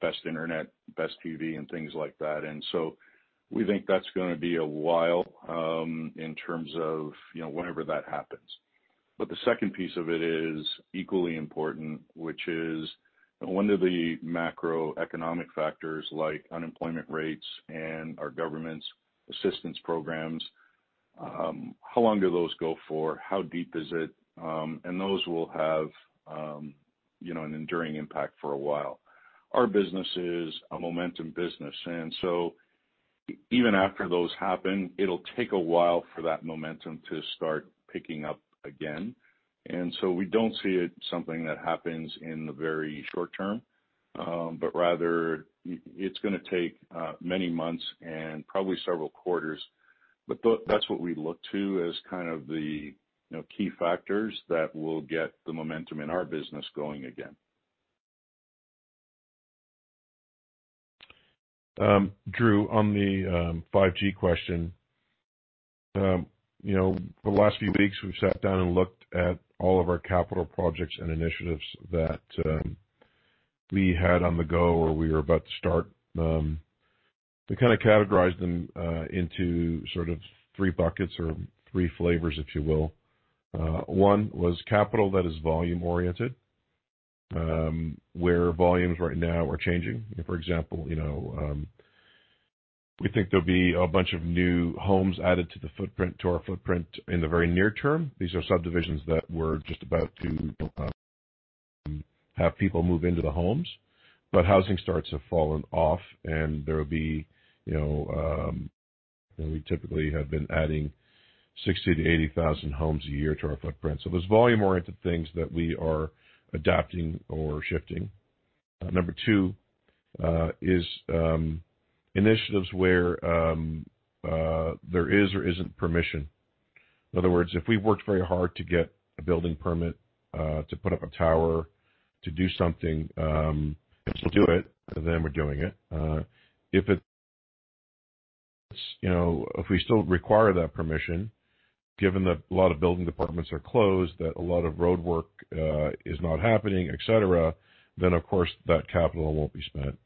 best internet, best TV, and things like that. And so we think that's going to be a while in terms of whenever that happens. But the second piece of it is equally important, which is one of the macroeconomic factors like unemployment rates and our government's assistance programs. How long do those go for? How deep is it? And those will have an enduring impact for a while. Our business is a momentum business. And so even after those happen, it'll take a while for that momentum to start picking up again. And so we don't see it as something that happens in the very short term, but rather it's going to take many months and probably several quarters. But that's what we look to as kind of the key factors that will get the momentum in our business going again. Drew, on the 5G question, for the last few weeks, we've sat down and looked at all of our capital projects and initiatives that we had on the go or we were about to start. We kind of categorized them into sort of three buckets or three flavors, if you will. One was capital that is volume-oriented, where volumes right now are changing. For example, we think there'll be a bunch of new homes added to our footprint in the very near term. These are subdivisions that were just about to have people move into the homes. But housing starts have fallen off. We typically have been adding 60-80,000 homes a year to our footprint. So there's volume-oriented things that we are adapting or shifting. Number two is initiatives where there is or isn't permission. In other words, if we've worked very hard to get a building permit to put up a tower, to do something, and we'll do it, then we're doing it. If we still require that permission, given that a lot of building departments are closed, that a lot of roadwork is not happening, et cetera, then of course, that capital won't be spent.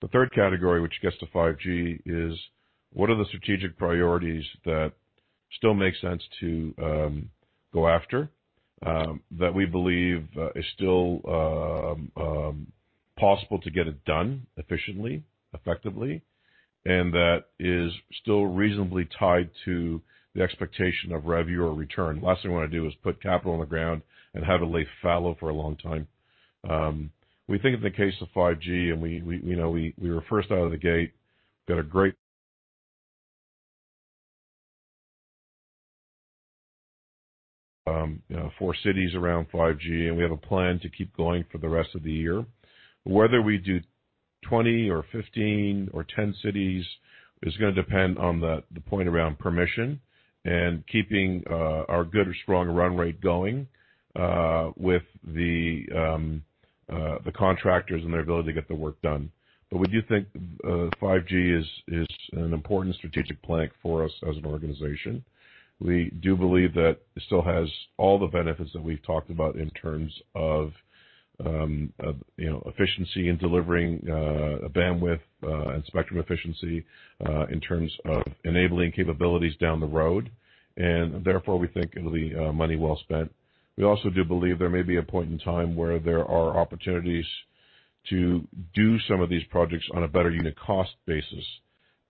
The third category, which gets to 5G, is what are the strategic priorities that still make sense to go after, that we believe is still possible to get it done efficiently, effectively, and that is still reasonably tied to the expectation of revenue or return. Last thing I want to do is put capital on the ground and have it lay fallow for a long time. We think in the case of 5G, and we were first out of the gate, got a great four cities around 5G, and we have a plan to keep going for the rest of the year. Whether we do 20 or 15 or 10 cities is going to depend on the point around permission and keeping our good or strong run rate going with the contractors and their ability to get the work done. But we do think 5G is an important strategic plan for us as an organization. We do believe that it still has all the benefits that we've talked about in terms of efficiency in delivering a bandwidth and spectrum efficiency in terms of enabling capabilities down the road. And therefore, we think it'll be money well spent. We also do believe there may be a point in time where there are opportunities to do some of these projects on a better unit cost basis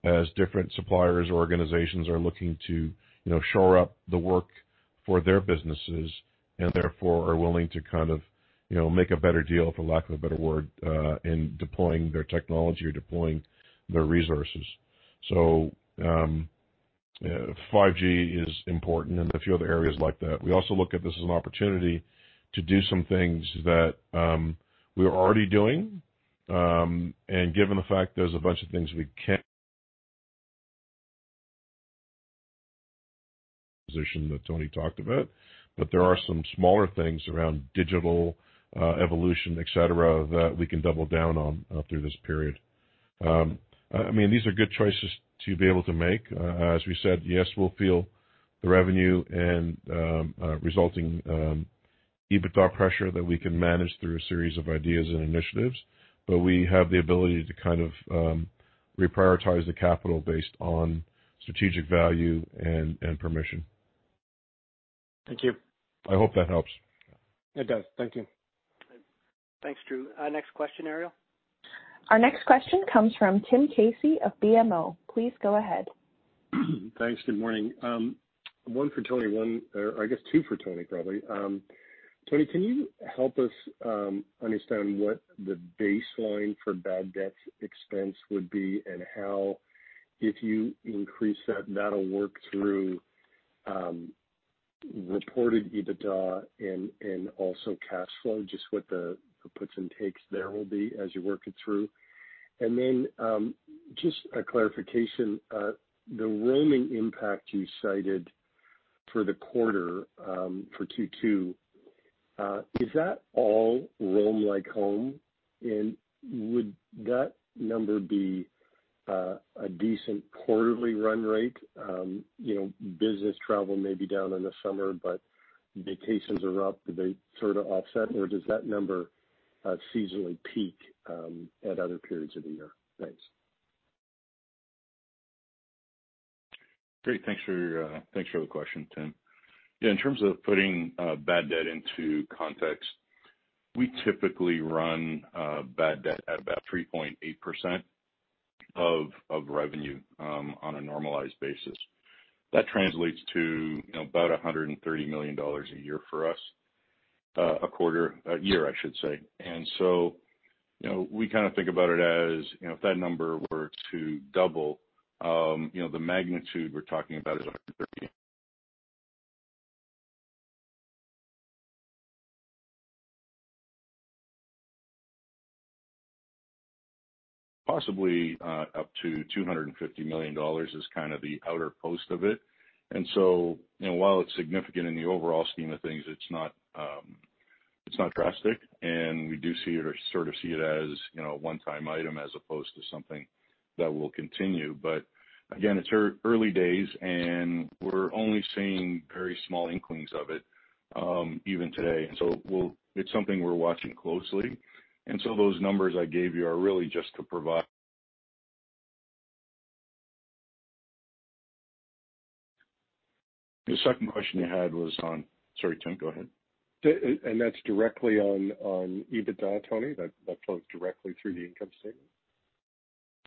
as different suppliers or organizations are looking to shore up the work for their businesses and therefore are willing to kind of make a better deal, for lack of a better word, in deploying their technology or deploying their resources, so 5G is important in a few other areas like that. We also look at this as an opportunity to do some things that we're already doing, and given the fact there's a bunch of things we can't position that Tony talked about, but there are some smaller things around digital evolution, et cetera, that we can double down on through this period. I mean, these are good choices to be able to make. As we said, yes, we'll feel the revenue and resulting EBITDA pressure that we can manage through a series of ideas and initiatives. But we have the ability to kind of reprioritize the capital based on strategic value and permission. Thank you. I hope that helps. It does. Thank you. Thanks, Drew. Next question, Ariel. Our next question comes from Tim Casey of BMO. Please go ahead. Thanks. Good morning. One for Tony, one or I guess two for Tony, probably. Tony, can you help us understand what the baseline for bad debt expense would be and how, if you increase that, that'll work through reported EBITDA and also cash flow, just what the puts and takes there will be as you work it through. And then just a clarification, the roaming impact you cited for the quarter for Q2, is that all Roam Like Home? And would that number be a decent quarterly run rate? Business travel may be down in the summer, but vacations are up. Do they sort of offset? Or does that number seasonally peak at other periods of the year? Thanks. Great. Thanks for the question, Tim. Yeah, in terms of putting bad debt into context, we typically run bad debt at about 3.8% of revenue on a normalized basis. That translates to about 130 million dollars a year for us a quarter, a year, I should say. And so we kind of think about it as if that number were to double, the magnitude we're talking about is 130. Possibly up to 250 million dollars is kind of the upper end of it. And so while it's significant in the overall scheme of things, it's not drastic. We do sort of see it as a one-time item as opposed to something that will continue, but again, it's early days, and we're only seeing very small inklings of it even today, so it's something we're watching closely, so those numbers I gave you are really just to provide. The second question you had was on, sorry, Tim, go ahead. That's directly on EBITDA, Tony? That flows directly through the income statement?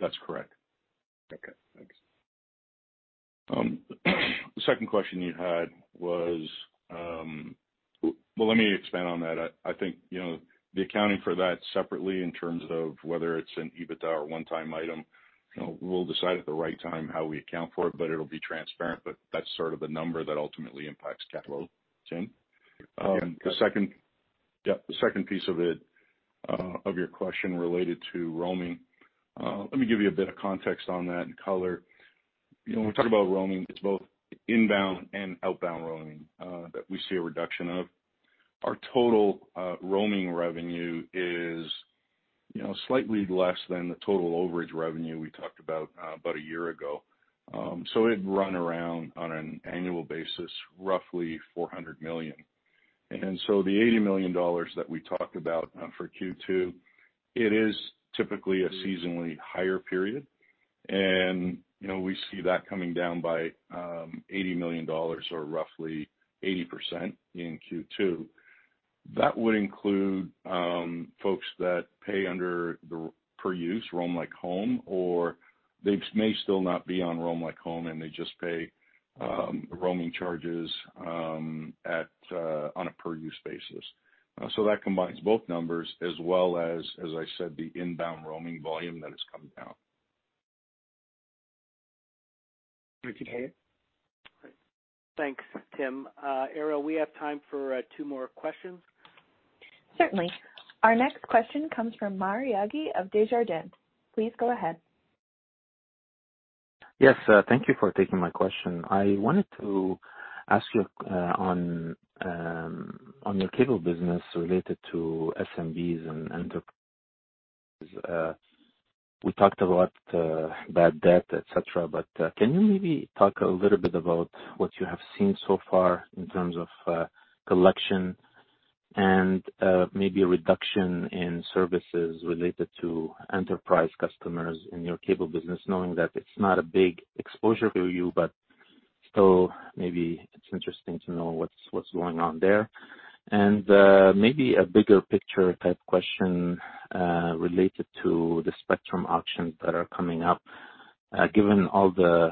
That's correct. Okay. Thanks. The second question you had was, well, let me expand on that. I think the accounting for that separately in terms of whether it's an EBITDA or one-time item, we'll decide at the right time how we account for it, but it'll be transparent, but that's sort of the number that ultimately impacts cash flow, Tim. The second piece of your question related to roaming. Let me give you a bit of context on that and color. When we talk about roaming, it's both inbound and outbound roaming that we see a reduction of. Our total roaming revenue is slightly less than the total overage revenue we talked about a year ago, so it'd run around on an annual basis, roughly 400 million. And so the 80 million dollars that we talked about for Q2, it is typically a seasonally higher period. And we see that coming down by 80 million dollars or roughly 80% in Q2. That would include folks that pay under the per-use Roam Like Home, or they may still not be on Roam Like Home, and they just pay roaming charges on a per-use basis. So that combines both numbers as well as, as I said, the inbound roaming volume that has come down. We can hear you. Thanks, Tim. Ariel, we have time for two more questions. Certainly. Our next question comes from Maher Yaghi of Desjardins. Please go ahead. Yes. Thank you for taking my question. I wanted to ask you on your cable business related to SMBs and enterprises. We talked about bad debt, et cetera. But can you maybe talk a little bit about what you have seen so far in terms of collection and maybe a reduction in services related to enterprise customers in your cable business, knowing that it's not a big exposure for you, but still maybe it's interesting to know what's going on there. And maybe a bigger picture type question related to the spectrum auctions that are coming up. Given all the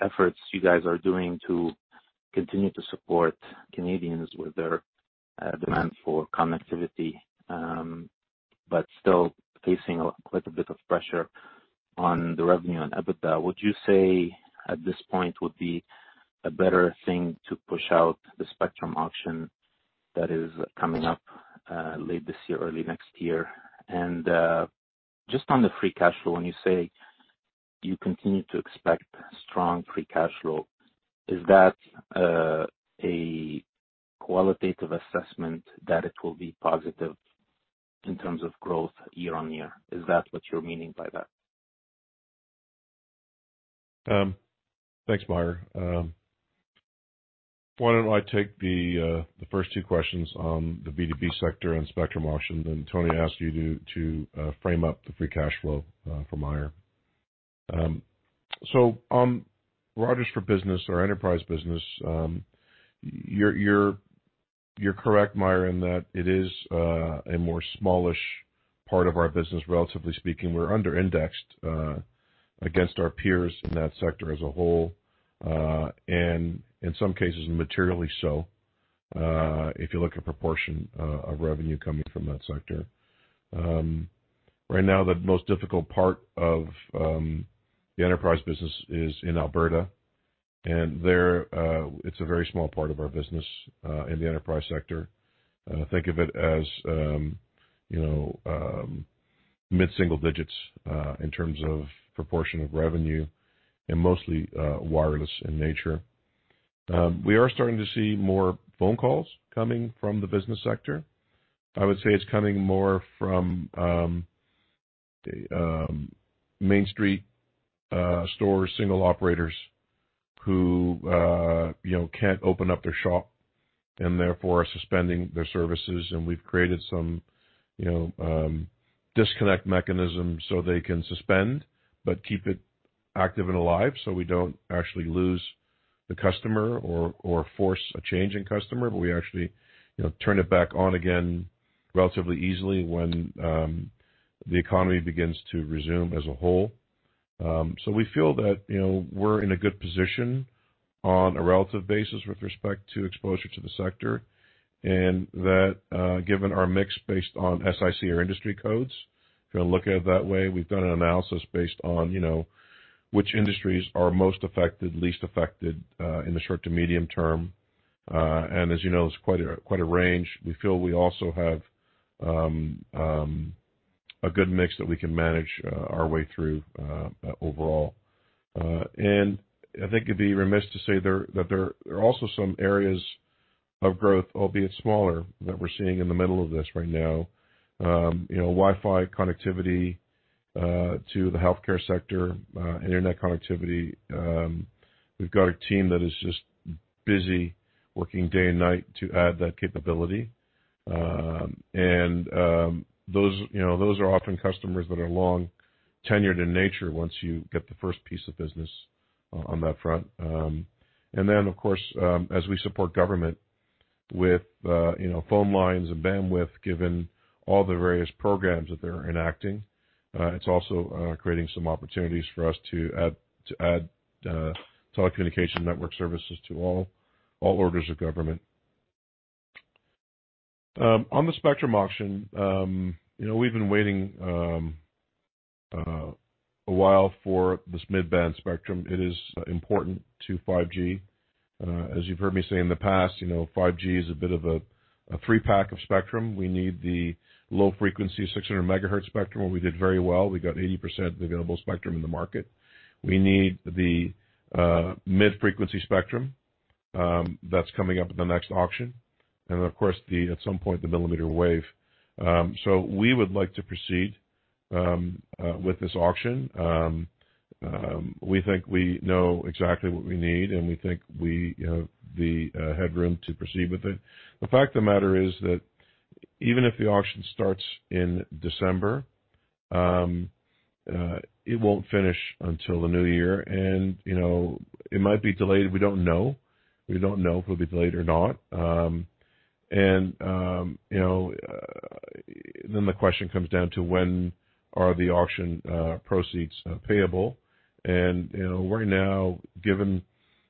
efforts you guys are doing to continue to support Canadians with their demand for connectivity, but still facing quite a bit of pressure on the revenue and EBITDA, would you say at this point would be a better thing to push out the spectrum auction that is coming up late this year, early next year? And just on the free cash flow, when you say you continue to expect strong free cash flow, is that a qualitative assessment that it will be positive in terms of growth year-on-year? Is that what you're meaning by that? Thanks, Maher. Why don't I take the first two questions on the B2B sector and spectrum auction, then Tony ask you to frame up the free cash flow for Maher. Rogers for Business, our enterprise business, you're correct, Maher, in that it is a more smallish part of our business, relatively speaking. We're under-indexed against our peers in that sector as a whole, and in some cases, materially so if you look at proportion of revenue coming from that sector. Right now, the most difficult part of the enterprise business is in Alberta. It's a very small part of our business in the enterprise sector. Think of it as mid-single digits in terms of proportion of revenue and mostly wireless in nature. We are starting to see more phone calls coming from the business sector. I would say it's coming more from Main Street stores, single operators who can't open up their shop and therefore are suspending their services. We've created some disconnect mechanisms so they can suspend but keep it active and alive so we don't actually lose the customer or force a change in customer, but we actually turn it back on again relatively easily when the economy begins to resume as a whole. We feel that we're in a good position on a relative basis with respect to exposure to the sector and that given our mix based on SIC or industry codes, if you look at it that way, we've done an analysis based on which industries are most affected, least affected in the short to medium term. As you know, it's quite a range. We feel we also have a good mix that we can manage our way through overall. And I think it'd be remiss to say that there are also some areas of growth, albeit smaller, that we're seeing in the middle of this right now: Wi-Fi connectivity to the healthcare sector, internet connectivity. We've got a team that is just busy working day and night to add that capability. And those are often customers that are long-tenured in nature once you get the first piece of business on that front. And then, of course, as we support government with phone lines and bandwidth, given all the various programs that they're enacting, it's also creating some opportunities for us to add telecommunication network services to all orders of government. On the spectrum auction, we've been waiting a while for this mid-band spectrum. It is important to 5G. As you've heard me say in the past, 5G is a bit of a three-pack of spectrum. We need the low-frequency 600 MHz spectrum, where we did very well. We got 80% of the available spectrum in the market. We need the mid-frequency spectrum that's coming up at the next auction. And then, of course, at some point, the millimeter wave. So we would like to proceed with this auction. We think we know exactly what we need, and we think we have the headroom to proceed with it. The fact of the matter is that even if the auction starts in December, it won't finish until the new year. And it might be delayed. We don't know. We don't know if it'll be delayed or not. And then the question comes down to when are the auction proceeds payable? And right now, given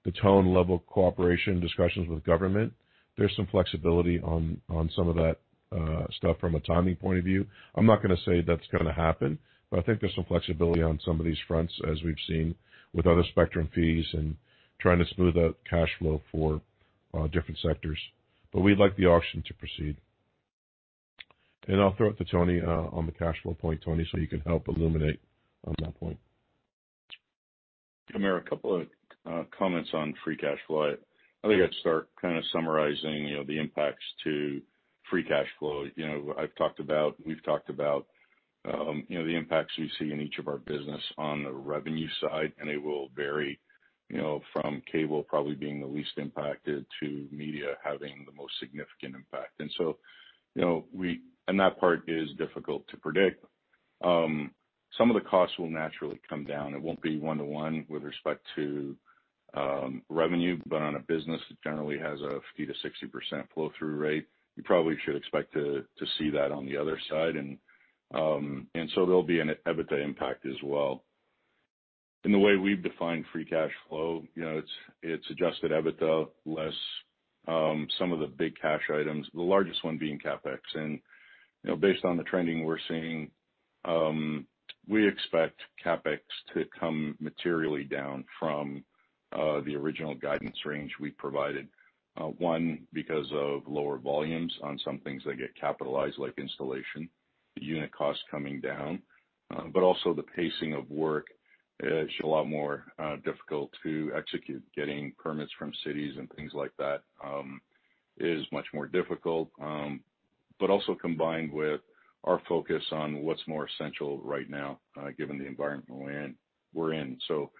the top-level cooperation discussions with government, there's some flexibility on some of that stuff from a timing point of view. I'm not going to say that's going to happen, but I think there's some flexibility on some of these fronts as we've seen with other spectrum fees and trying to smooth out cash flow for different sectors. But we'd like the auction to proceed. And I'll throw it to Tony on the cash flow point, Tony, so you can help illuminate on that point. In a couple of comments on free cash flow. I think I'd start kind of summarizing the impacts to free cash flow. I've talked about, we've talked about the impacts we see in each of our business on the revenue side, and it will vary from cable probably being the least impacted to media having the most significant impact. And so that part is difficult to predict. Some of the costs will naturally come down. It won't be one-to-one with respect to revenue, but on a business that generally has a 50%-60% flow-through rate, you probably should expect to see that on the other side, and so there'll be an EBITDA impact as well. In the way we've defined free cash flow, it's adjusted EBITDA less some of the big cash items, the largest one being CapEx. Based on the trending we're seeing, we expect CapEx to come materially down from the original guidance range we provided, one because of lower volumes on some things that get capitalized like installation, the unit cost coming down, but also the pacing of work is a lot more difficult to execute. Getting permits from cities and things like that is much more difficult, but also combined with our focus on what's more essential right now, given the environment we're in. So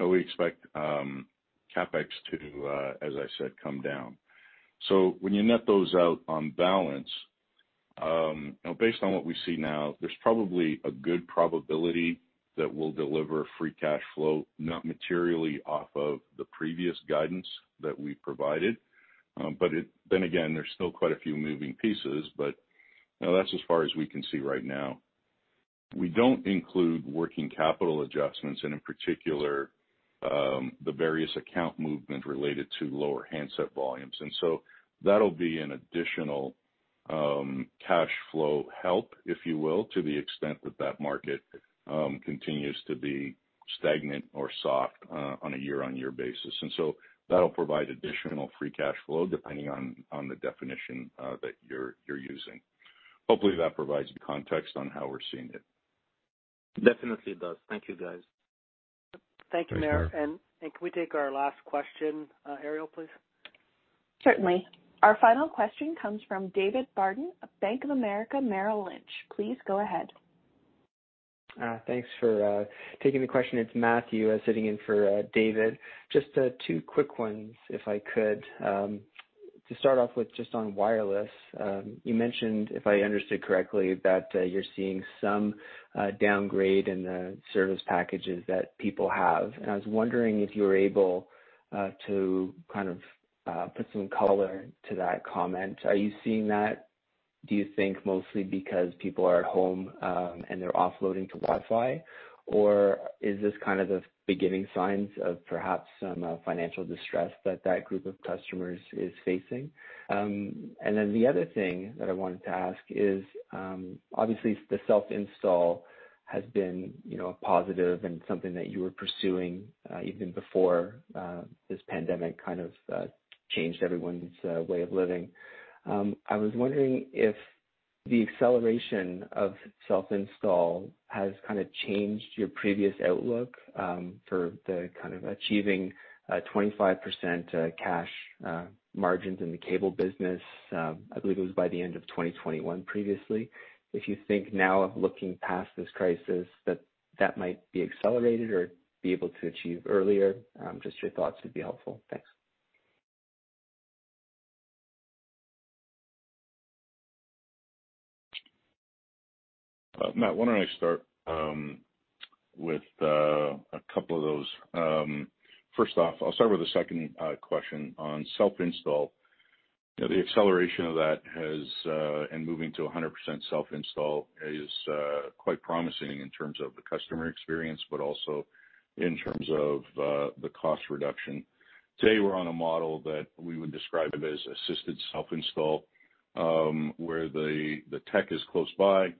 we expect CapEx to, as I said, come down. So when you net those out on balance, based on what we see now, there's probably a good probability that we'll deliver free cash flow not materially off of the previous guidance that we provided. But then again, there's still quite a few moving pieces, but that's as far as we can see right now. We don't include working capital adjustments, and in particular, the various account movement related to lower handset volumes. And so that'll be an additional cash flow help, if you will, to the extent that that market continues to be stagnant or soft on a year-on-year basis. And so that'll provide additional free cash flow depending on the definition that you're using. Hopefully, that provides context on how we're seeing it. Definitely does. Thank you, guys. Thank you, Maher. And can we take our last question, Ariel, please? Certainly. Our final question comes from David Barden, of Bank of America Merrill Lynch. Please go ahead. Thanks for taking the question. It's Matthew sitting in for David. Just two quick ones, if I could. To start off with, just on wireless, you mentioned, if I understood correctly, that you're seeing some downgrade in the service packages that people have. And I was wondering if you were able to kind of put some color to that comment. Are you seeing that, do you think, mostly because people are at home and they're offloading to Wi-Fi, or is this kind of the beginning signs of perhaps some financial distress that that group of customers is facing? And then the other thing that I wanted to ask is, obviously, the self-install has been a positive and something that you were pursuing even before this pandemic kind of changed everyone's way of living. I was wondering if the acceleration of self-install has kind of changed your previous outlook for the kind of achieving 25% cash margins in the cable business. I believe it was by the end of 2021 previously. If you think now of looking past this crisis, that that might be accelerated or be able to achieve earlier, just your thoughts would be helpful. Thanks. Matt, why don't I start with a couple of those? First off, I'll start with the second question on self-install. The acceleration of that and moving to 100% self-install is quite promising in terms of the customer experience, but also in terms of the cost reduction. Today, we're on a model that we would describe as assisted self-install, where the tech is close by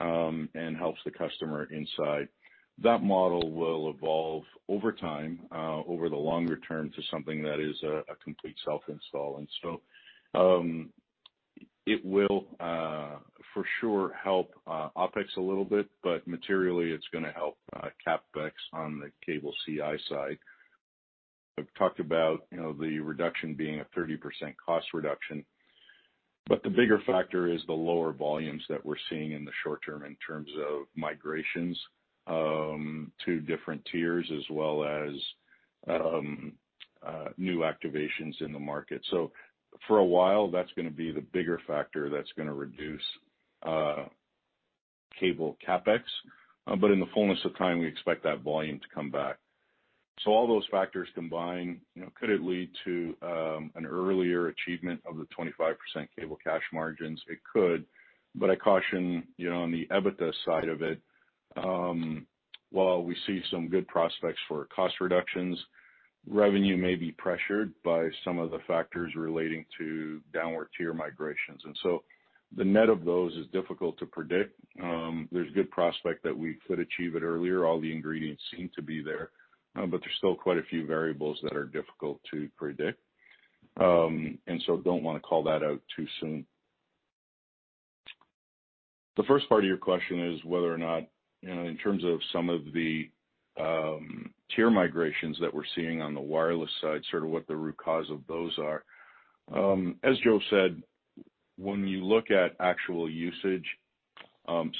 and helps the customer inside. That model will evolve over time, over the longer term, to something that is a complete self-install. And so it will, for sure, help OpEx a little bit, but materially, it's going to help CapEx on the cable CI side. I've talked about the reduction being a 30% cost reduction, but the bigger factor is the lower volumes that we're seeing in the short term in terms of migrations to different tiers as well as new activations in the market. So for a while, that's going to be the bigger factor that's going to reduce cable CapEx. But in the fullness of time, we expect that volume to come back. So all those factors combined, could it lead to an earlier achievement of the 25% cable cash margins? It could. But I caution on the EBITDA side of it. While we see some good prospects for cost reductions, revenue may be pressured by some of the factors relating to downward tier migrations. And so the net of those is difficult to predict. There's good prospect that we could achieve it earlier. All the ingredients seem to be there, but there's still quite a few variables that are difficult to predict. And so I don't want to call that out too soon. The first part of your question is whether or not, in terms of some of the tier migrations that we're seeing on the wireless side, sort of what the root cause of those are? As Joe said, when you look at actual usage,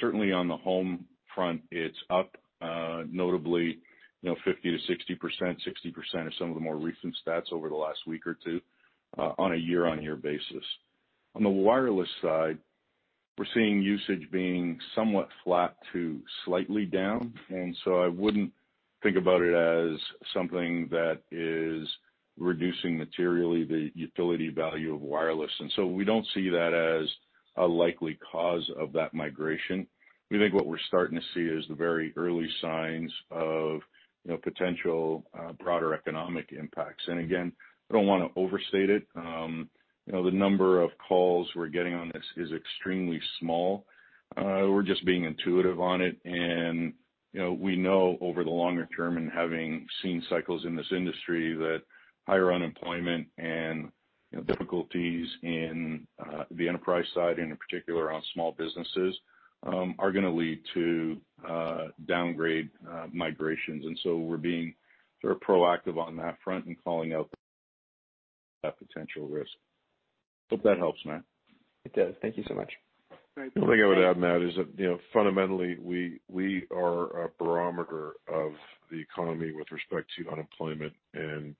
certainly on the home front, it's up notably 50%-60%, 60% of some of the more recent stats over the last week or two on a year-on-year basis. On the wireless side, we're seeing usage being somewhat flat to slightly down. And so I wouldn't think about it as something that is reducing materially the utility value of wireless. And so we don't see that as a likely cause of that migration. We think what we're starting to see is the very early signs of potential broader economic impacts. And again, I don't want to overstate it. The number of calls we're getting on this is extremely small. We're just being intuitive on it. We know over the longer term and having seen cycles in this industry that higher unemployment and difficulties in the enterprise side, and in particular on small businesses, are going to lead to downgrade migrations. And so we're being sort of proactive on that front and calling out that potential risk. Hope that helps, Matt. It does. Thank you so much. I think I would add, Matt, is that fundamentally, we are a barometer of the economy with respect to unemployment and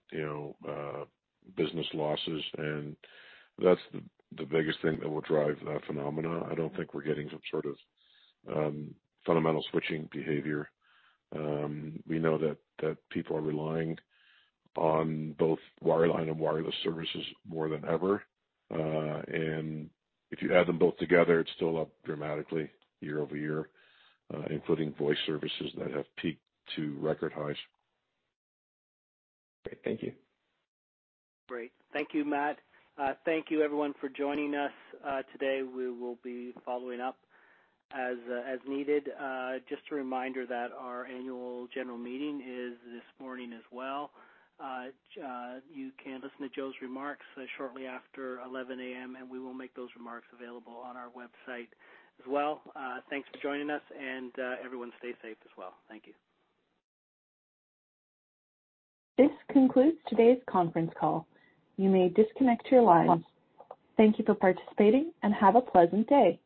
business losses. And that's the biggest thing that will drive that phenomena. I don't think we're getting some sort of fundamental switching behavior. We know that people are relying on both wireline and wireless services more than ever. And if you add them both together, it's still up dramatically year-over-year, including voice services that have peaked to record highs. Great. Thank you. Great. Thank you, Matt. Thank you, everyone, for joining us today. We will be following up as needed. Just a reminder that our annual general meeting is this morning as well. You can listen to Joe's remarks shortly after 11:00 A.M., and we will make those remarks available on our website as well. Thanks for joining us, and everyone, stay safe as well. Thank you. This concludes today's conference call. You may disconnect your lines. Thank you for participating and have a pleasant day.